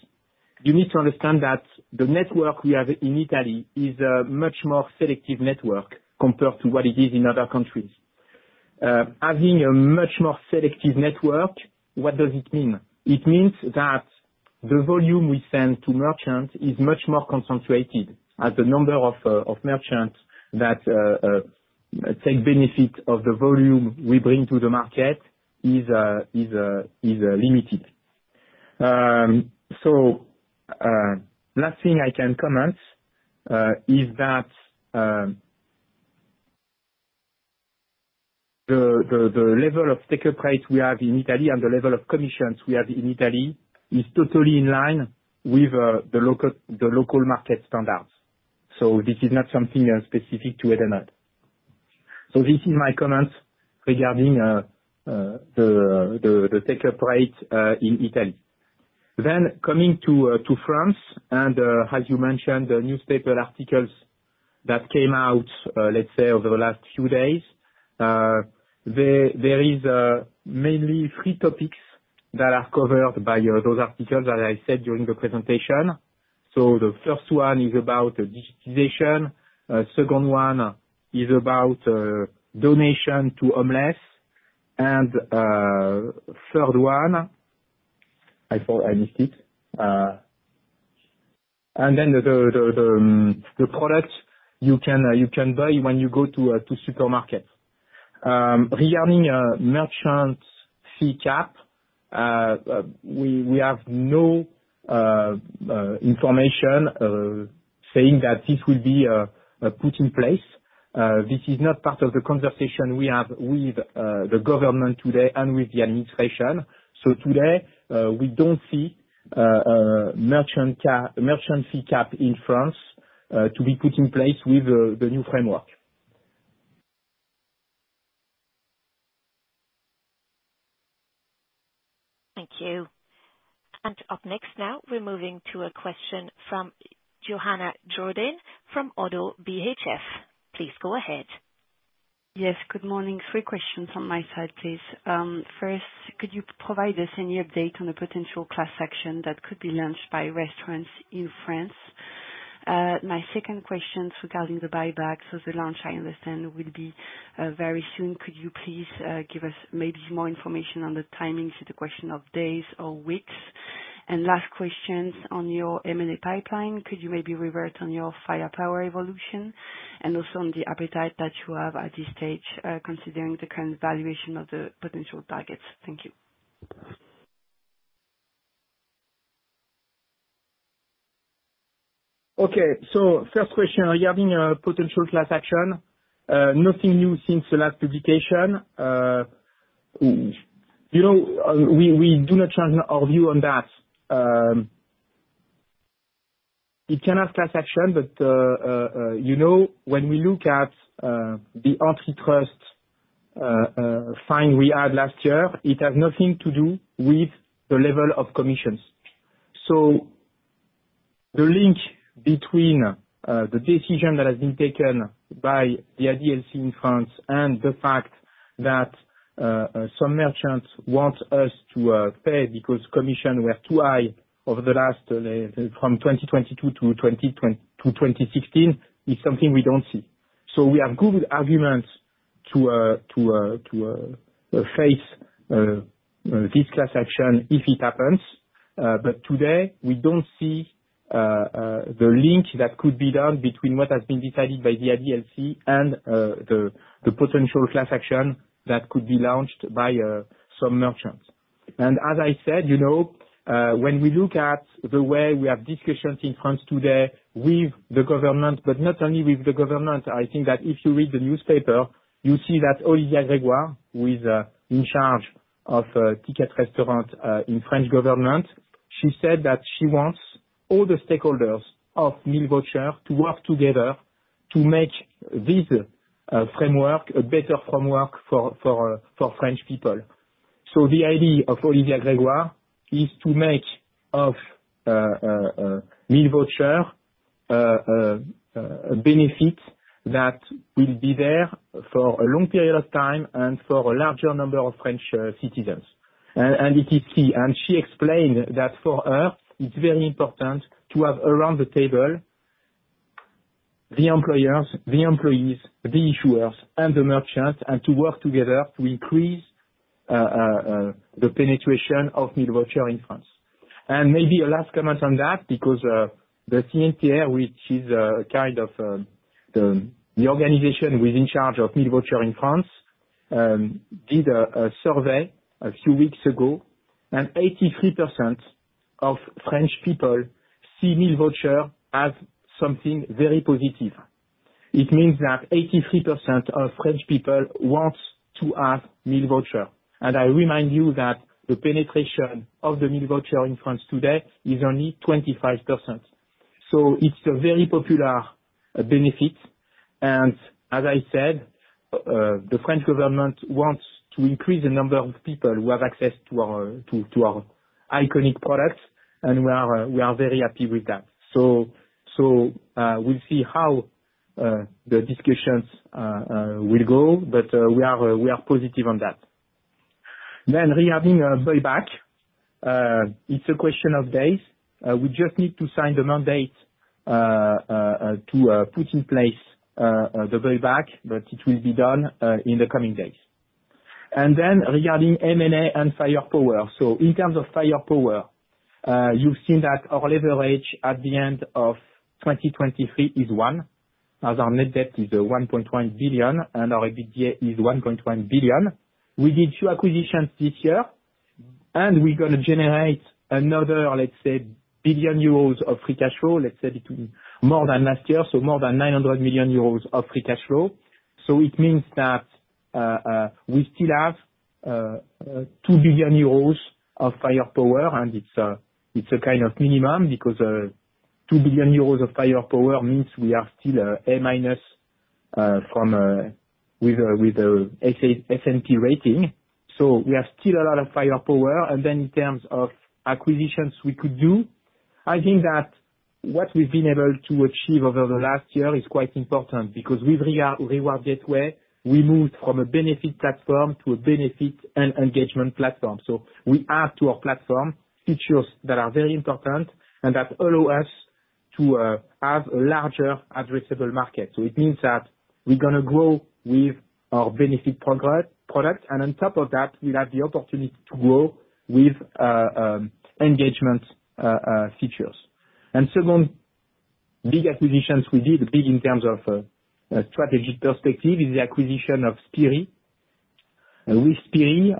You need to understand that the network we have in Italy is a much more selective network compared to what it is in other countries. Having a much more selective network, what does it mean? It means that the volume we send to merchants is much more concentrated as the number of merchants that take benefit of the volume we bring to the market is limited. So last thing I can comment is that the level of take-up rate we have in Italy and the level of commissions we have in Italy is totally in line with the local market standards. So this is not something specific to Edenred. So this is my comment regarding the take-up rate in Italy. Then coming to France and, as you mentioned, the newspaper articles that came out, let's say, over the last few days, there is mainly three topics that are covered by those articles, as I said during the presentation. So the first one is about digitization. The second one is about donation to homeless. And the third one I forgot I missed it. And then the product you can buy when you go to supermarkets. Regarding merchant fee cap, we have no information saying that this will be put in place. This is not part of the conversation we have with the government today and with the administration. So today, we don't see merchant fee cap in France to be put in place with the new framework. Thank you. Up next now, we're moving to a question from Johanna Jourdain from ODDO BHF. Please go ahead. Yes. Good morning. Three questions on my side, please. First, could you provide us any update on the potential class action that could be launched by restaurants in France? My second question is regarding the buyback. So the launch, I understand, will be very soon. Could you please give us maybe more information on the timing? Is it a question of days or weeks? And last question, on your M&A pipeline, could you maybe revert on your firepower evolution and also on the appetite that you have at this stage considering the current valuation of the potential targets? Thank you. Okay. So first question, regarding potential class action, nothing new since the last publication. We do not change our view on that. It can have class action. But when we look at the antitrust fine we had last year, it has nothing to do with the level of commissions. So the link between the decision that has been taken by the ADLC in France and the fact that some merchants want us to pay because commissions were too high from 2022-2016 is something we don't see. So we have good arguments to face this class action if it happens. But today, we don't see the link that could be done between what has been decided by the ADLC and the potential class action that could be launched by some merchants. As I said, when we look at the way we have discussions in France today with the government but not only with the government, I think that if you read the newspaper, you see that Olivia Grégoire, who is in charge of Ticket Restaurant in French government, she said that she wants all the stakeholders of meal vouchers to work together to make this framework a better framework for French people. The idea of Olivia Grégoire is to make of meal vouchers a benefit that will be there for a long period of time and for a larger number of French citizens. It is key. She explained that, for her, it's very important to have around the table the employers, the employees, the issuers, and the merchants and to work together to increase the penetration of meal vouchers in France. And maybe a last comment on that because the CNTR, which is kind of the organization who is in charge of meal vouchers in France, did a survey a few weeks ago. 83% of French people see meal vouchers as something very positive. It means that 83% of French people want to have meal vouchers. I remind you that the penetration of the meal vouchers in France today is only 25%. It's a very popular benefit. As I said, the French government wants to increase the number of people who have access to our iconic products. We are very happy with that. We'll see how the discussions will go. We are positive on that. Regarding buyback, it's a question of days. We just need to sign the mandate to put in place the buyback. It will be done in the coming days. Then regarding M&A and firepower, so in terms of firepower, you've seen that our leverage at the end of 2023 is one. As our net debt is 1.1 billion and our EBITDA is 1.1 billion, we did two acquisitions this year. And we're going to generate another, let's say, 1 billion euros of free cash flow, let's say, more than last year, so more than 900 million euros of free cash flow. So it means that we still have 2 billion euros of firepower. And it's a kind of minimum because 2 billion euros of firepower means we are still A- with the S&P rating. So we have still a lot of firepower. Then in terms of acquisitions we could do, I think that what we've been able to achieve over the last year is quite important because with Reward Gateway, we moved from a benefit platform to a benefit and engagement platform. So we add to our platform features that are very important and that allow us to have a larger addressable market. So it means that we're going to grow with our benefit product. And on top of that, we'll have the opportunity to grow with engagement features. And second big acquisitions we did, big in terms of strategic perspective, is the acquisition of Spirii. And with Spirii,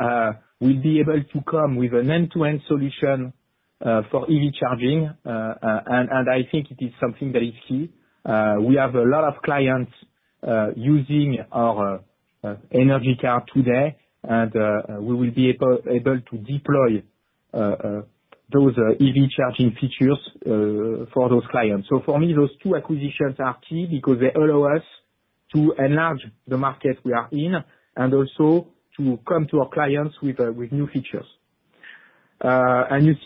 we'll be able to come with an end-to-end solution for EV charging. And I think it is something that is key. We have a lot of clients using our energy card today. We will be able to deploy those EV charging features for those clients. For me, those two acquisitions are key because they allow us to enlarge the market we are in and also to come to our clients with new features. You've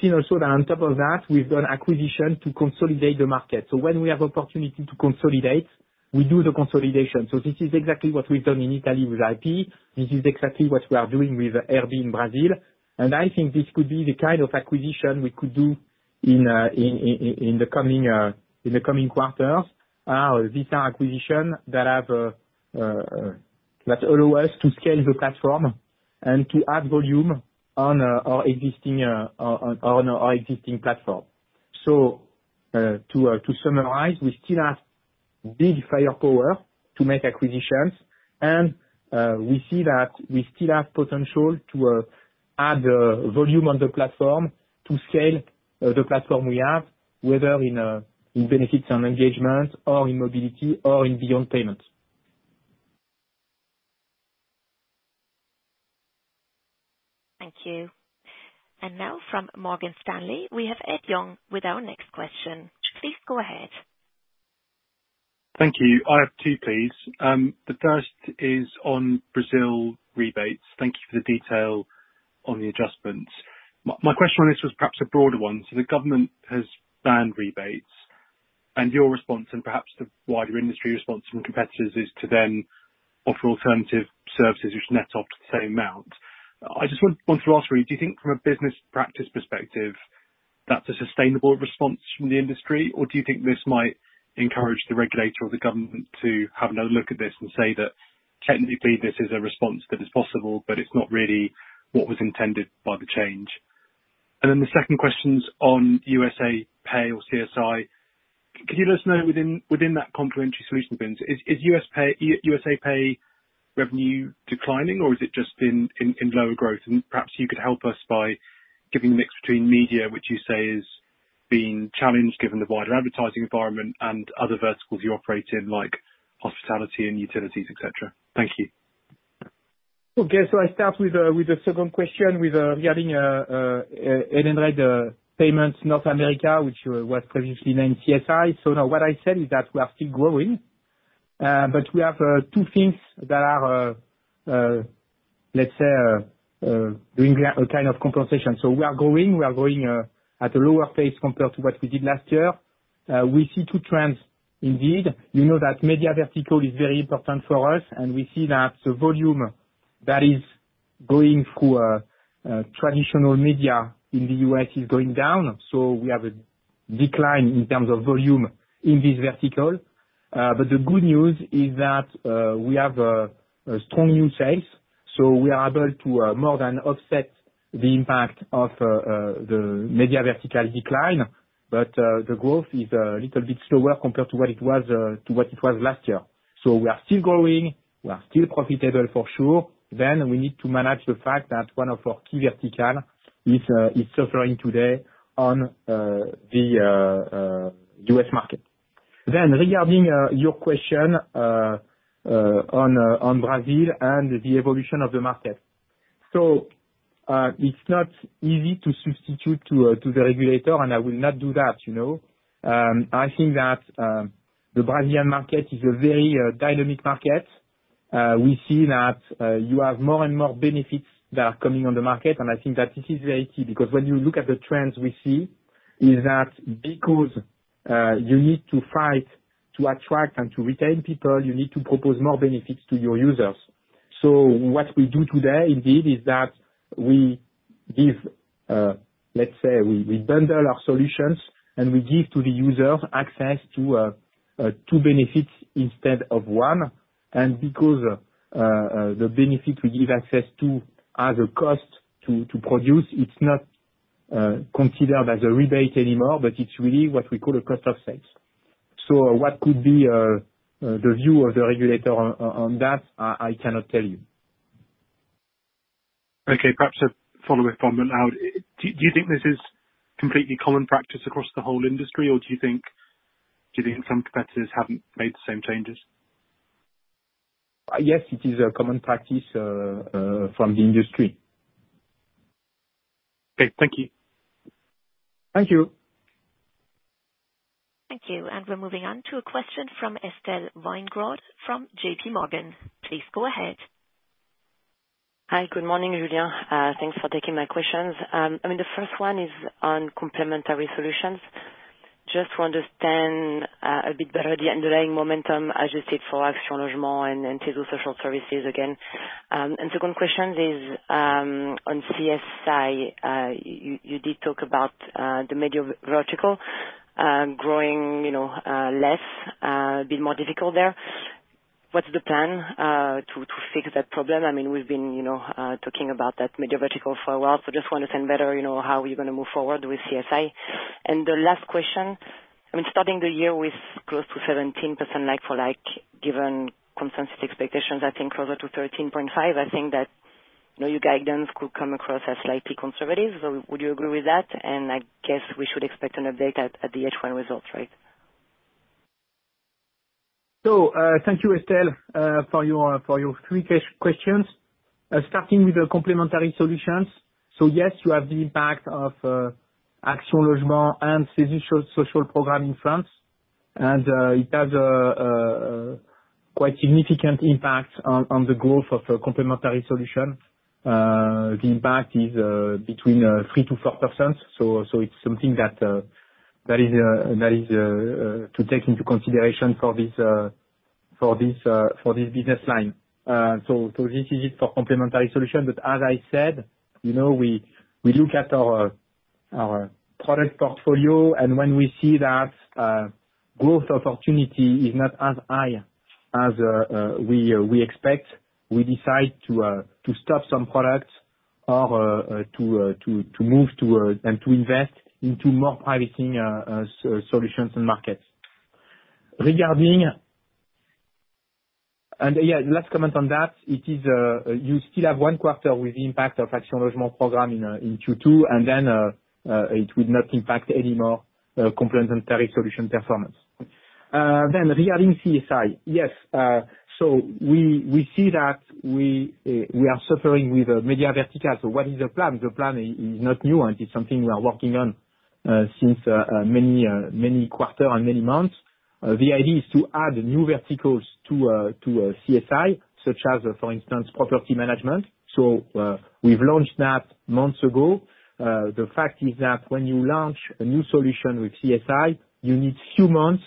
seen also that on top of that, we've done acquisition to consolidate the market. When we have opportunity to consolidate, we do the consolidation. This is exactly what we've done in Italy with IP. This is exactly what we are doing with RB in Brazil. I think this could be the kind of acquisition we could do in the coming quarters. These are acquisitions that allow us to scale the platform and to add volume on our existing platform. To summarize, we still have big firepower to make acquisitions. We see that we still have potential to add volume on the platform to scale the platform we have, whether in benefits and engagement or in mobility or in beyond payment. Thank you. Now from Morgan Stanley, we have Ed Young with our next question. Please go ahead. Thank you. I have two, please. The first is on Brazil rebates. Thank you for the detail on the adjustments. My question on this was perhaps a broader one. So the government has banned rebates. And your response and perhaps the wider industry response from competitors is to then offer alternative services which net off the same amount. I just want to ask really, do you think from a business practice perspective, that's a sustainable response from the industry? Or do you think this might encourage the regulator or the government to have another look at this and say that, technically, this is a response that is possible, but it's not really what was intended by the change? And then the second question is on U.S. Pay or CSI. Could you let us know within that complementary solution, business, is U.S. Pay revenue declining? Is it just in lower growth? Perhaps you could help us by giving a mix between media, which you say is being challenged given the wider advertising environment, and other verticals you operate in like hospitality and utilities, etc. Thank you. Okay. So I start with the second question regarding Edenred Payments North America, which was previously named CSI. So now what I said is that we are still growing. But we have two things that are, let's say, doing a kind of compensation. So we are growing. We are growing at a lower pace compared to what we did last year. We see two trends indeed. You know that media vertical is very important for us. And we see that the volume that is going through traditional media in the U.S. is going down. So we have a decline in terms of volume in this vertical. But the good news is that we have strong new sales. So we are able to more than offset the impact of the media vertical decline. But the growth is a little bit slower compared to what it was last year. So we are still growing. We are still profitable for sure. Then we need to manage the fact that one of our key verticals is suffering today on the U.S. market. Then regarding your question on Brazil and the evolution of the market, so it's not easy to substitute to the regulator. And I will not do that. I think that the Brazilian market is a very dynamic market. We see that you have more and more benefits that are coming on the market. And I think that this is very key because when you look at the trends we see, is that because you need to fight to attract and to retain people, you need to propose more benefits to your users. So what we do today indeed is that we give, let's say, we bundle our solutions. And we give to the users access to two benefits instead of one. And because the benefit we give access to has a cost to produce, it's not considered as a rebate anymore. But it's really what we call a cost of sales. So what could be the view of the regulator on that, I cannot tell you. Okay. Perhaps a follow-up on that, Arnaud. Do you think this is completely common practice across the whole industry? Or do you think some competitors haven't made the same changes? Yes. It is a common practice from the industry. Okay. Thank you. Thank you. Thank you. We're moving on to a question from Estelle Weingrod from JPMorgan. Please go ahead. Hi. Good morning, Julien. Thanks for taking my questions. I mean, the first one is on complementary solutions. Just to understand a bit better the underlying momentum adjusted for Action Logement and CESU Social Services again. And second question is on CSI. You did talk about the media vertical growing less, a bit more difficult there. What's the plan to fix that problem? I mean, we've been talking about that media vertical for a while. So just want to understand better how you're going to move forward with CSI. And the last question, I mean, starting the year with close to 17% like-for-like given consensus expectations, I think closer to 13.5%, I think that your guidance could come across as slightly conservative. So would you agree with that? And I guess we should expect an update at the H1 results, right? So thank you, Estelle, for your three questions. Starting with the complementary solutions, so yes, you have the impact of Action Logement and CESU social program in France. It has a quite significant impact on the growth of complementary solutions. The impact is between 3%-4%. So it's something that is to take into consideration for this business line. So this is it for complementary solutions. But as I said, we look at our product portfolio. When we see that growth opportunity is not as high as we expect, we decide to stop some products or to move and to invest into more promising solutions and markets. Yeah, last comment on that, you still have one quarter with the impact of Action Logement program in Q2. Then it will not impact anymore complementary solutions performance. Regarding CSI, yes. So we see that we are suffering with media verticals. So what is the plan? The plan is not new. And it's something we are working on since many quarters and many months. The idea is to add new verticals to CSI such as, for instance, property management. So we've launched that months ago. The fact is that when you launch a new solution with CSI, you need a few months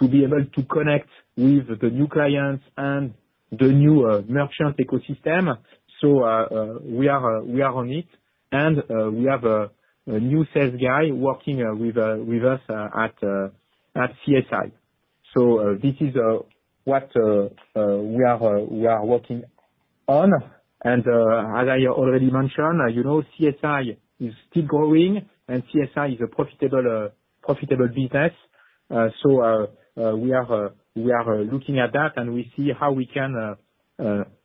to be able to connect with the new clients and the new merchant ecosystem. So we are on it. And we have a new sales guy working with us at CSI. So this is what we are working on. And as I already mentioned, CSI is still growing. And CSI is a profitable business. So we are looking at that. And we see how we can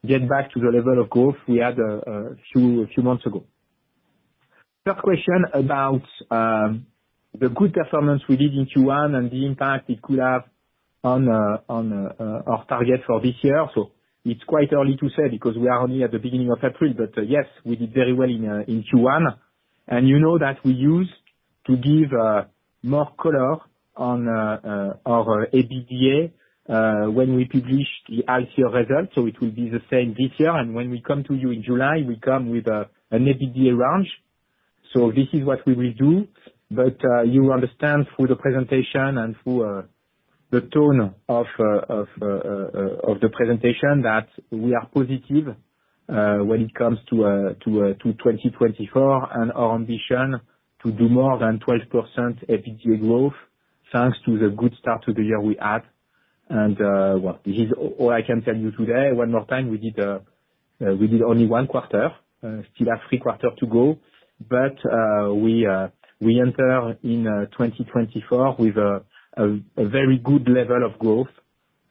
get back to the level of growth we had a few months ago. First question about the good performance we did in Q1 and the impact it could have on our target for this year. So it's quite early to say because we are only at the beginning of April. But yes, we did very well in Q1. And you know that we use to give more color on our EBITDA when we publish the half-year results. So it will be the same this year. And when we come to you in July, we come with an EBITDA range. So this is what we will do. But you understand through the presentation and through the tone of the presentation that we are positive when it comes to 2024 and our ambition to do more than 12% EBITDA growth thanks to the good start to the year we had. And well, this is all I can tell you today. One more time, we did only one quarter. Still have three quarters to go. But we enter in 2024 with a very good level of growth.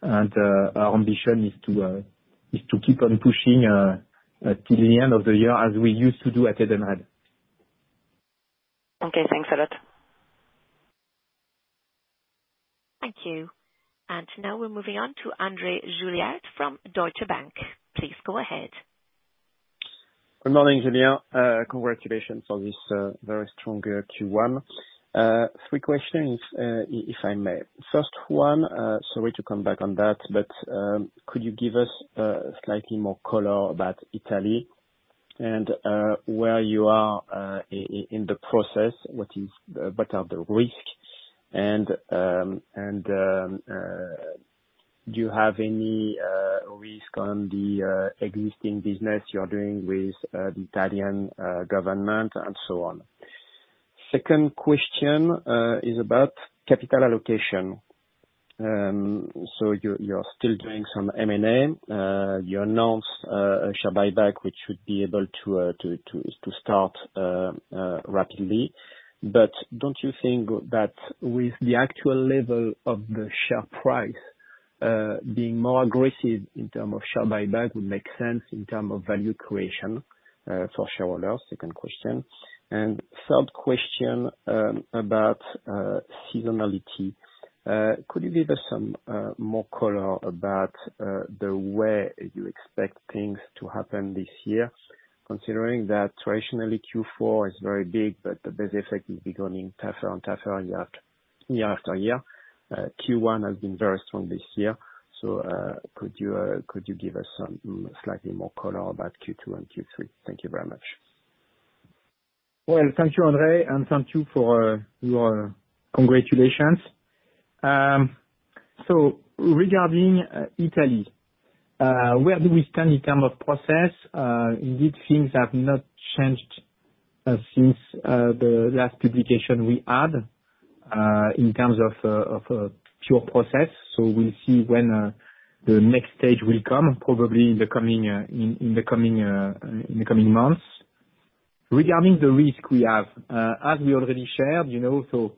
And our ambition is to keep on pushing till the end of the year as we used to do at Edenred. Okay. Thanks a lot. Thank you. And now we're moving on to André Juillard from Deutsche Bank. Please go ahead. Good morning, Julien. Congratulations for this very strong Q1. Three questions, if I may. First one, sorry to come back on that. But could you give us slightly more color about Italy and where you are in the process? What are the risks? And do you have any risk on the existing business you're doing with the Italian government and so on? Second question is about capital allocation. So you're still doing some M&A. You announced a share buyback, which should be able to start rapidly. But don't you think that with the actual level of the share price being more aggressive in terms of share buyback would make sense in terms of value creation for shareholders? Second question. And third question about seasonality. Could you give us some more color about the way you expect things to happen this year considering that traditionally, Q4 is very big. The base effect will be growing tougher and tougher year after year. Q1 has been very strong this year. Could you give us some slightly more color about Q2 and Q3? Thank you very much. Well, thank you, André. And thank you for your congratulations. So regarding Italy, where do we stand in terms of process? Indeed, things have not changed since the last publication we had in terms of a pure process. So we'll see when the next stage will come, probably in the coming months. Regarding the risk we have, as we already shared, so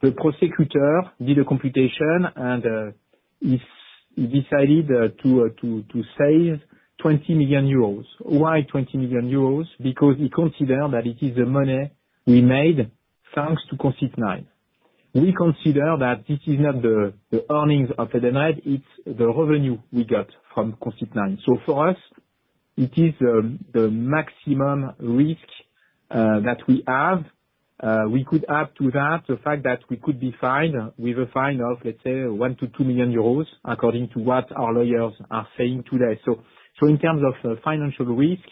the prosecutor did a computation. And he decided to save 20 million euros. Why 20 million euros? Because he considered that it is the money we made thanks to Consip nine. We consider that this is not the earnings of Edenred. It's the revenue we got from Consip nine. So for us, it is the maximum risk that we have. We could add to that the fact that we could be fined with a fine of, let's say, 1 million-2 million euros according to what our lawyers are saying today. So in terms of financial risk,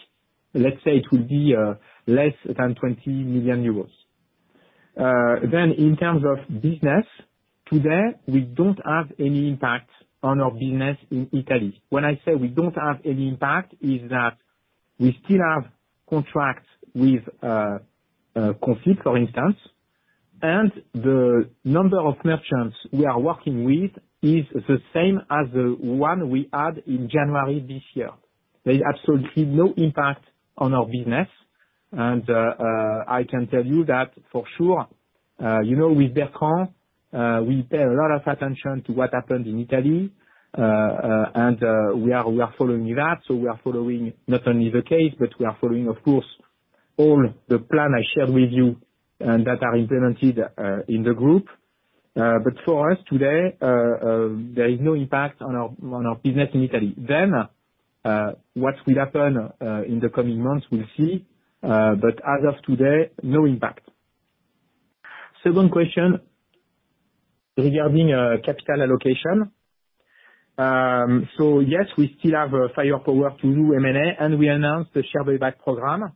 let's say it will be less than 20 million euros. Then in terms of business today, we don't have any impact on our business in Italy. When I say we don't have any impact is that we still have contracts with Consip, for instance. And the number of merchants we are working with is the same as the one we had in January this year. There is absolutely no impact on our business. And I can tell you that for sure, with Bertrand, we pay a lot of attention to what happened in Italy. And we are following that. So we are following not only the case, but we are following, of course, all the plan I shared with you that are implemented in the group. But for us today, there is no impact on our business in Italy. Then what will happen in the coming months, we'll see. But as of today, no impact. Second question regarding capital allocation. So yes, we still have firepower to do M&A. And we announced the share buyback program.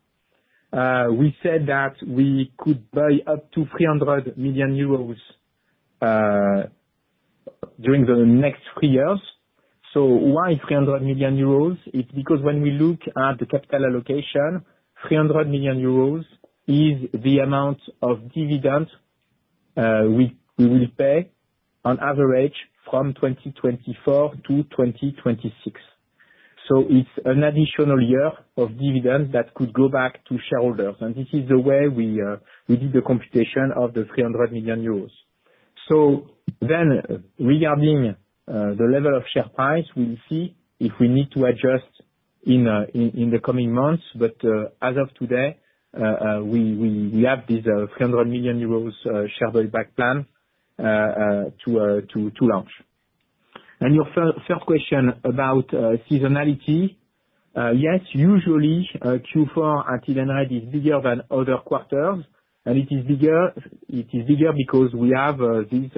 We said that we could buy up to 300 million euros during the next three years. So why 300 million euros? It's because when we look at the capital allocation, 300 million euros is the amount of dividend we will pay on average from 2024-2026. So it's an additional year of dividend that could go back to shareholders. And this is the way we did the computation of the 300 million euros. So then regarding the level of share price, we'll see if we need to adjust in the coming months. But as of today, we have this 300 million euros share buyback plan to launch. And your first question about seasonality, yes, usually, Q4 at Edenred is bigger than other quarters. And it is bigger because we have these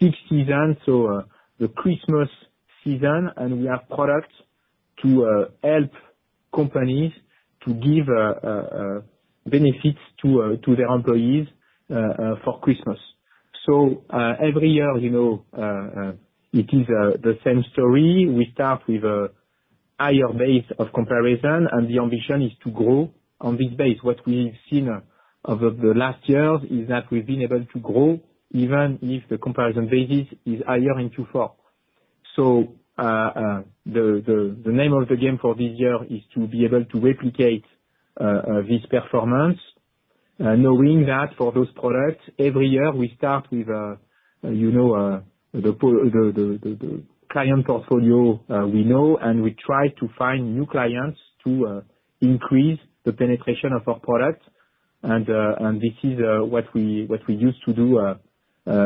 peak seasons, so the Christmas season. And we have products to help companies to give benefits to their employees for Christmas. So every year, it is the same story. We start with a higher base of comparison. And the ambition is to grow on this base. What we've seen over the last years is that we've been able to grow even if the comparison basis is higher in Q4. So the name of the game for this year is to be able to replicate this performance knowing that for those products, every year, we start with the client portfolio we know. We try to find new clients to increase the penetration of our product. This is what we used to do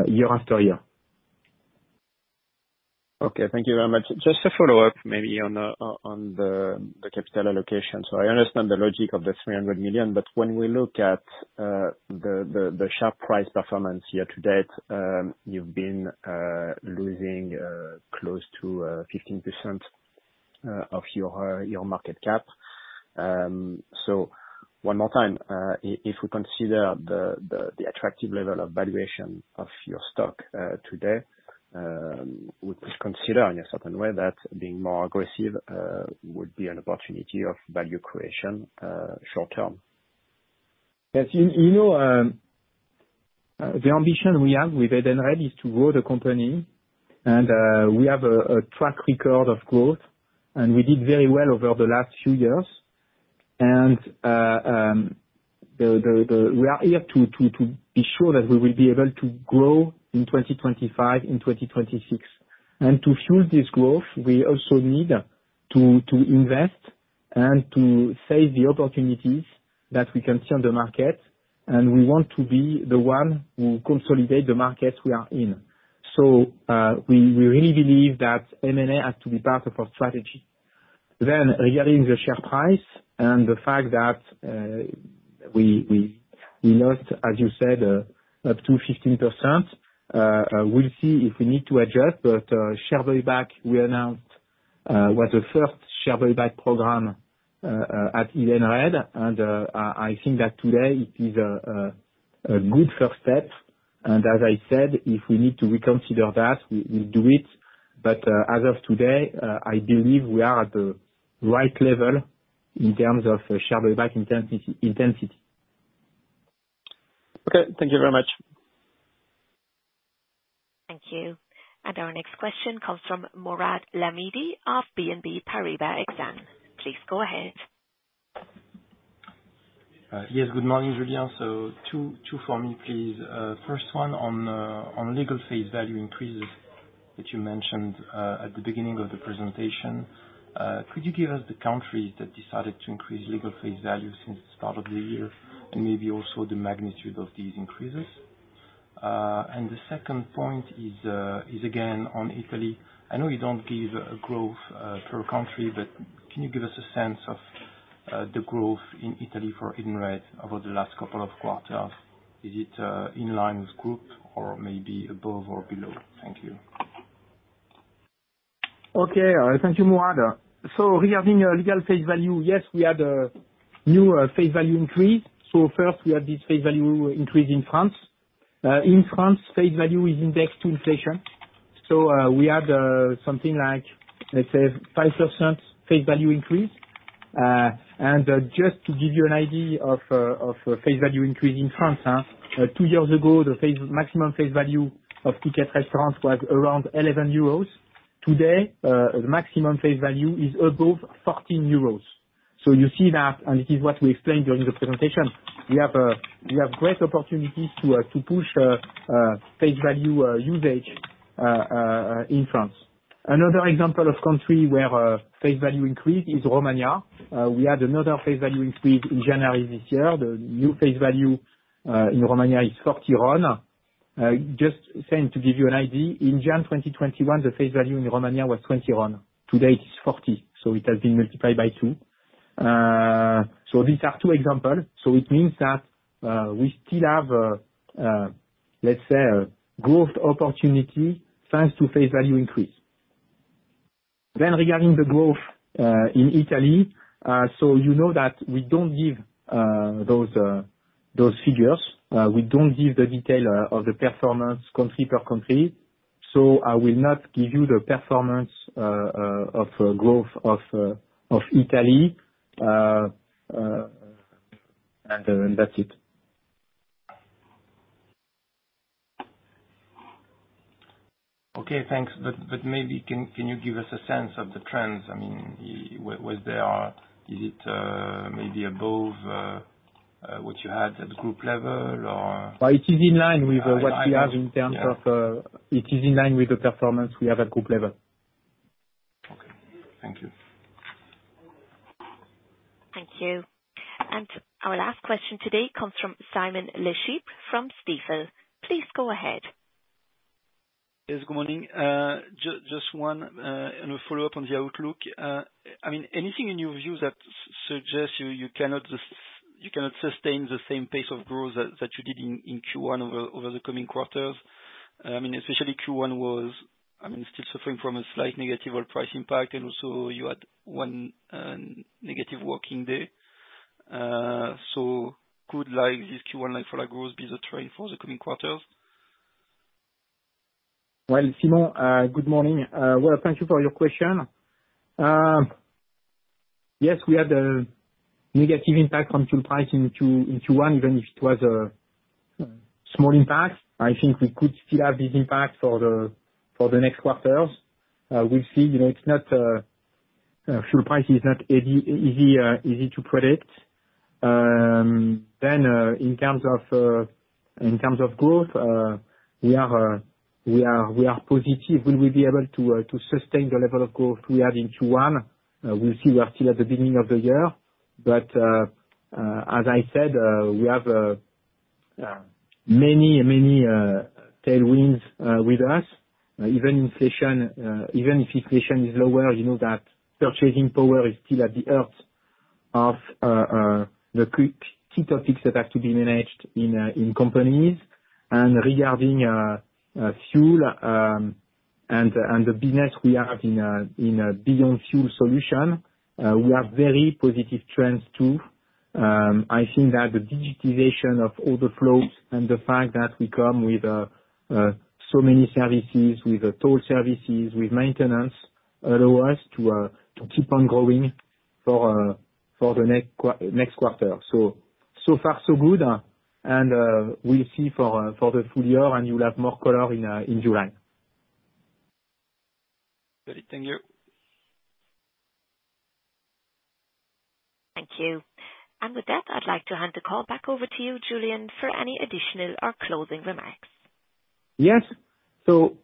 year after year. Okay. Thank you very much. Just a follow-up maybe on the capital allocation. So I understand the logic of the 300 million. But when we look at the share price performance year to date, you've been losing close to 15% of your market cap. So one more time, if we consider the attractive level of valuation of your stock today, would you consider in a certain way that being more aggressive would be an opportunity of value creation short term? Yes. The ambition we have with Edenred is to grow the company. We have a track record of growth. We did very well over the last few years. We are here to be sure that we will be able to grow in 2025, in 2026. To fuel this growth, we also need to invest and to seize the opportunities that we can see on the market. We want to be the one who consolidate the markets we are in. We really believe that M&A has to be part of our strategy. Then regarding the share price and the fact that we lost, as you said, up to 15%, we'll see if we need to adjust. The share buyback we announced was the first share buyback program at Edenred. I think that today, it is a good first step. As I said, if we need to reconsider that, we'll do it. As of today, I believe we are at the right level in terms of share buyback intensity. Okay. Thank you very much. Thank you. Our next question comes from Mourad Lahmidi of BNP Paribas Exane. Please go ahead. Yes. Good morning, Julien. So two for me, please. First one, on legal face value increases that you mentioned at the beginning of the presentation. Could you give us the countries that decided to increase legal face value since the start of the year and maybe also the magnitude of these increases? And the second point is, again, on Italy. I know you don't give growth per country. But can you give us a sense of the growth in Italy for Edenred over the last couple of quarters? Is it in line with group or maybe above or below? Thank you. Okay. Thank you, Mourad. So regarding legal face value, yes, we had a new face value increase. So first, we had this face value increase in France. In France, face value is indexed to inflation. So we had something like, let's say, 5% face value increase. And just to give you an idea of face value increase in France, two years ago, the maximum face value of Ticket Restaurants was around 11 euros. Today, the maximum face value is above 14 euros. So you see that. And it is what we explained during the presentation. We have great opportunities to push face value usage in France. Another example of country where face value increased is Romania. We had another face value increase in January this year. The new face value in Romania is 40 RON. Just saying to give you an idea, in January 2021, the face value in Romania was 20 RON. Today, it is 40 RON. So it has been multiplied by two. So these are two examples. So it means that we still have, let's say, growth opportunity thanks to face value increase. Then regarding the growth in Italy, so you know that we don't give those figures. We don't give the detail of the performance country per country. So I will not give you the performance of growth of Italy. And that's it. Okay. Thanks. But maybe can you give us a sense of the trends? I mean, is it maybe above what you had at group level, or? Well, it is in line with what we have in terms of it is in line with the performance we have at group level. Okay. Thank you. Thank you. And our last question today comes from Simon LeChipre from Stifel. Please go ahead. Yes. Good morning. Just one follow-up on the Outlook. I mean, anything in your view that suggests you cannot sustain the same pace of growth that you did in Q1 over the coming quarters? I mean, especially Q1 was, I mean, still suffering from a slight negative price impact. And also, you had one negative working day. So could this Q1 for our growth be the trend for the coming quarters? Well, Simon, good morning. Well, thank you for your question. Yes, we had a negative impact on fuel price in Q1, even if it was a small impact. I think we could still have this impact for the next quarters. We'll see. It's not. Fuel price is not easy to predict. Then in terms of growth, we are positive. Will we be able to sustain the level of growth we had in Q1? We'll see. We are still at the beginning of the year. But as I said, we have many, many tailwinds with us. Even if inflation is lower, you know that purchasing power is still at the heart of the key topics that have to be managed in companies. And regarding fuel and the business we have in Beyond Fuel solution, we have very positive trends too. I think that the digitization of all the flows and the fact that we come with so many services, with toll services, with maintenance, allow us to keep on growing for the next quarter. So far, so good. We'll see for the full year. You'll have more color in July. Great. Thank you. Thank you. With that, I'd like to hand the call back over to you, Julien, for any additional or closing remarks. Yes. So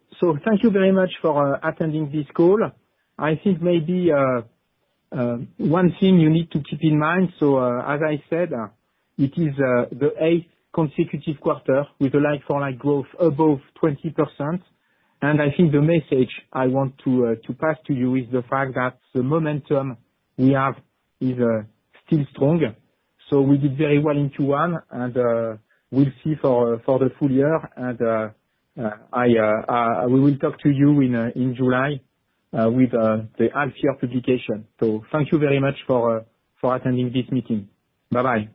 thank you very much for attending this call. I think maybe one thing you need to keep in mind. So as I said, it is the eighth consecutive quarter with a like-for-like growth above 20%. And I think the message I want to pass to you is the fact that the momentum we have is still strong. So we did very well in Q1. And we'll see for the full year. And we will talk to you in July with the half-year publication. So thank you very much for attending this meeting. Bye-bye.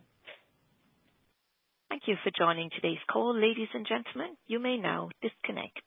Thank you for joining today's call, ladies and gentlemen. You may now disconnect.